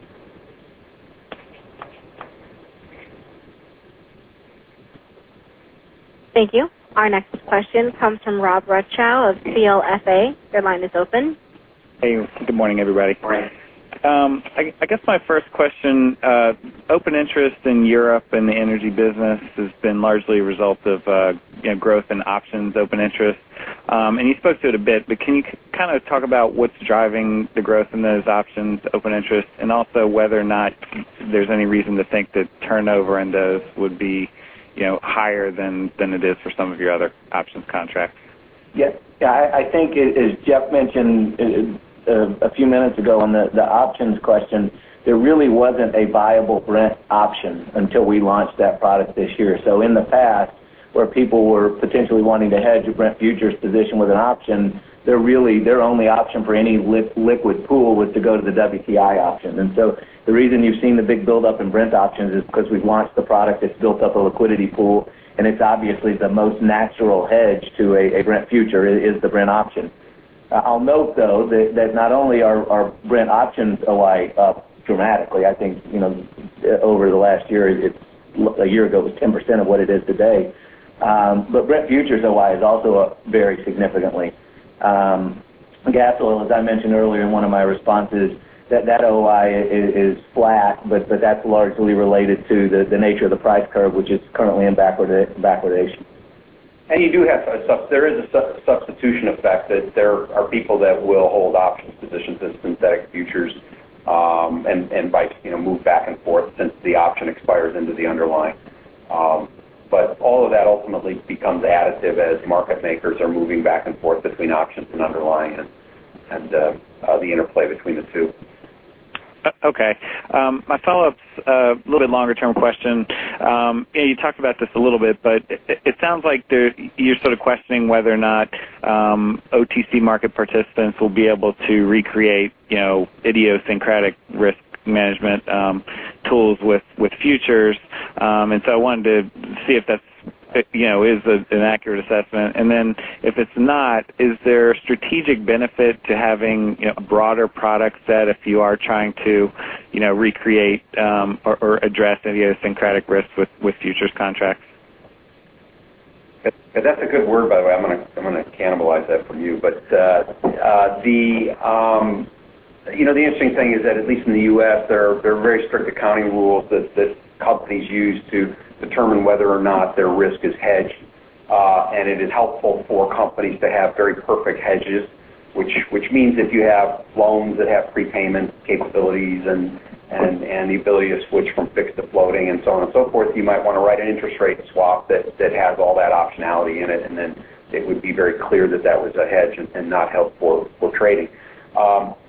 Speaker 1: Thank you. Our next question comes from Rob Rutschow of CLSA. Your line is open.
Speaker 21: Hey, good morning, everybody. I guess my first question, open interest in Europe and the energy business has been largely a result of growth in options open interest. You spoke to it a bit, but can you kind of talk about what's driving the growth in those options open interest and also whether or not there's any reason to think that turnover in those would be higher than it is for some of your other options contracts?
Speaker 3: Yeah, I think as Jeff mentioned a few minutes ago on the options question, there really wasn't a viable Brent option until we launched that product this year. In the past, where people were potentially wanting to hedge a Brent futures position with an option, their only option for any liquid pool was to go to the WTI option. The reason you've seen the big buildup in Brent options is because we've launched the product that's built up a liquidity pool. It's obviously the most natural hedge to a Brent future is the Brent option. I'll note, though, that not only are Brent options up dramatically, I think over the last year, a year ago it was 10% of what it is today, but Brent futures OI is also up very significantly. Gas Oil, as I mentioned earlier in one of my responses, that OI is flat, but that's largely related to the nature of the price curve, which is currently in backwardation.
Speaker 4: You do have some substitution effect that there are people that will hold options positions as synthetic futures and move back and forth since the option expires into the underlying. All of that ultimately becomes additive as market makers are moving back and forth between options and underlying and the interplay between the two.
Speaker 21: Okay. My follow-up is a little bit longer-term question. You talked about this a little bit, but it sounds like you're sort of questioning whether or not OTC market participants will be able to recreate, you know, idiosyncratic risk management tools with futures. I wanted to see if that's, you know, is an accurate assessment. If it's not, is there a strategic benefit to having a broader product set if you are trying to, you know, recreate or address idiosyncratic risks with futures contracts?
Speaker 4: That's a good word, by the way. I'm going to cannibalize that for you. The interesting thing is that at least in the U.S., there are very strict accounting rules that companies use to determine whether or not their risk is hedged. It is helpful for companies to have very perfect hedges, which means if you have loans that have prepayment capabilities and the ability to switch from fixed to floating and so on and so forth, you might want to write an interest rate swap that has all that optionality in it. Then it would be very clear that that was a hedge and not helpful for trading.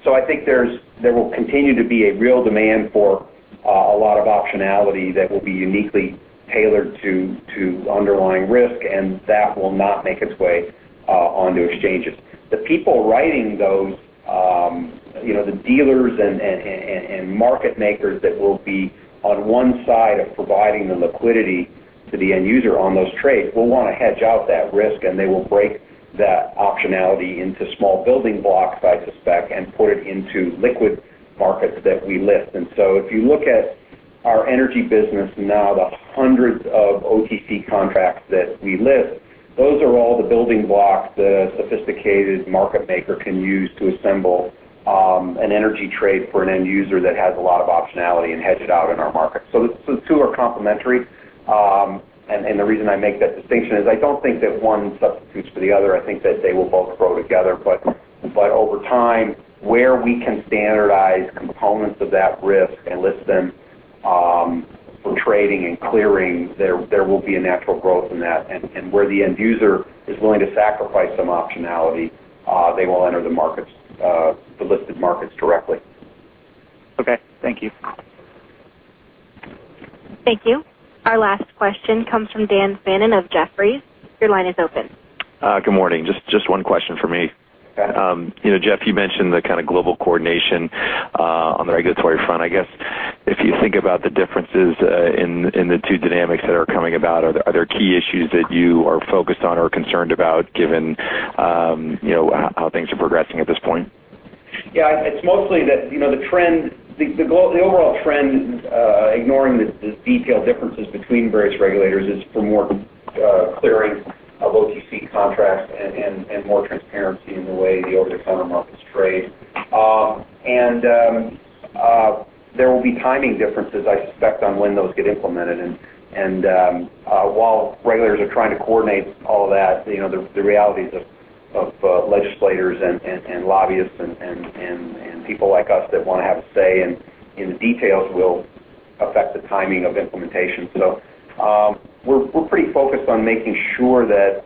Speaker 4: I think there will continue to be a real demand for a lot of optionality that will be uniquely tailored to underlying risk, and that will not make its way onto exchanges. The people writing those, the dealers and market makers that will be on one side of providing the liquidity to the end user on those trades, will want to hedge out that risk, and they will break that optionality into small building blocks, I suspect, and put it into liquid markets that we list. If you look at our energy business now, the hundreds of OTC contracts that we list, those are all the building blocks that a sophisticated market maker can use to assemble an energy trade for an end user that has a lot of optionality and hedge it out in our market. The two are complementary. The reason I make that distinction is I don't think that one substitutes for the other. I think that they will both grow together. Over time, where we can standardize components of that risk and list them for trading and clearing, there will be a natural growth in that. Where the end user is willing to sacrifice some optionality, they will enter the listed markets directly.
Speaker 21: Okay. Thank you.
Speaker 1: Thank you. Our last question comes from Dan Fannon of Jefferies. Your line is open.
Speaker 22: Good morning. Just one question for me. Jeff, you mentioned the kind of global coordination on the regulatory front. I guess if you think about the differences in the two dynamics that are coming about, are there key issues that you are focused on or concerned about given how things are progressing at this point?
Speaker 4: Yeah, it's mostly that the trend, the overall trend, ignoring the detailed differences between various regulators, is for more clearing of OTC contracts and more transparency in the way the over-the-counter markets trade. There will be timing differences, I suspect, on when those get implemented. While regulators are trying to coordinate all that, the realities of legislators and lobbyists and people like us that want to have a say in the details will affect the timing of implementation. We're pretty focused on making sure that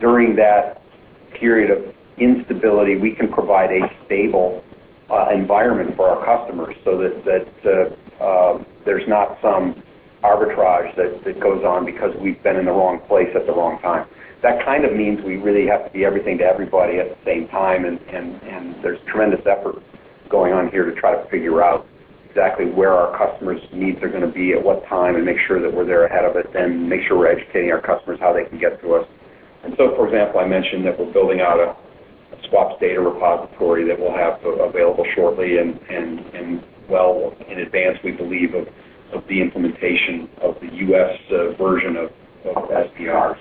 Speaker 4: during that period of instability, we can provide a stable environment for our customers so that there's not some arbitrage that goes on because we've been in the wrong place at the wrong time. That kind of means we really have to be everything to everybody at the same time. There's tremendous effort going on here to try to figure out exactly where our customers' needs are going to be at what time and make sure that we're there ahead of it, then make sure we're educating our customers how they can get through us. For example, I mentioned that we're building out a swaps data repository that we'll have available shortly and well in advance, we believe, of the implementation of the U.S. version of SDRs.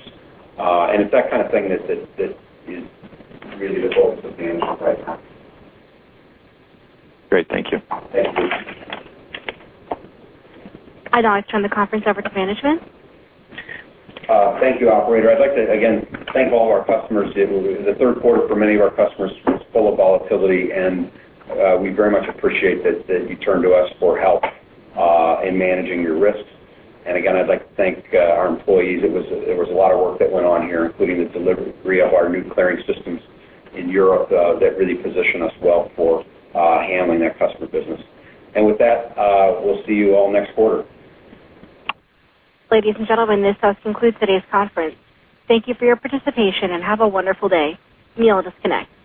Speaker 4: It's that kind of thing that is really the goal of being an operator.
Speaker 22: Great, thank you.
Speaker 1: I'd always turn the conference over to management.
Speaker 4: Thank you, operator. I'd like to again thank all of our customers. The third quarter for many of our customers was full of volatility, and we very much appreciate that you turned to us for help in managing your risk. I'd like to thank our employees. It was a lot of work that went on here, including the delivery of our new clearing systems in Europe that really positioned us well for handling that customer business. With that, we'll see you all next quarter.
Speaker 1: Ladies and gentlemen, this does conclude today's conference. Thank you for your participation and have a wonderful day. You may all disconnect.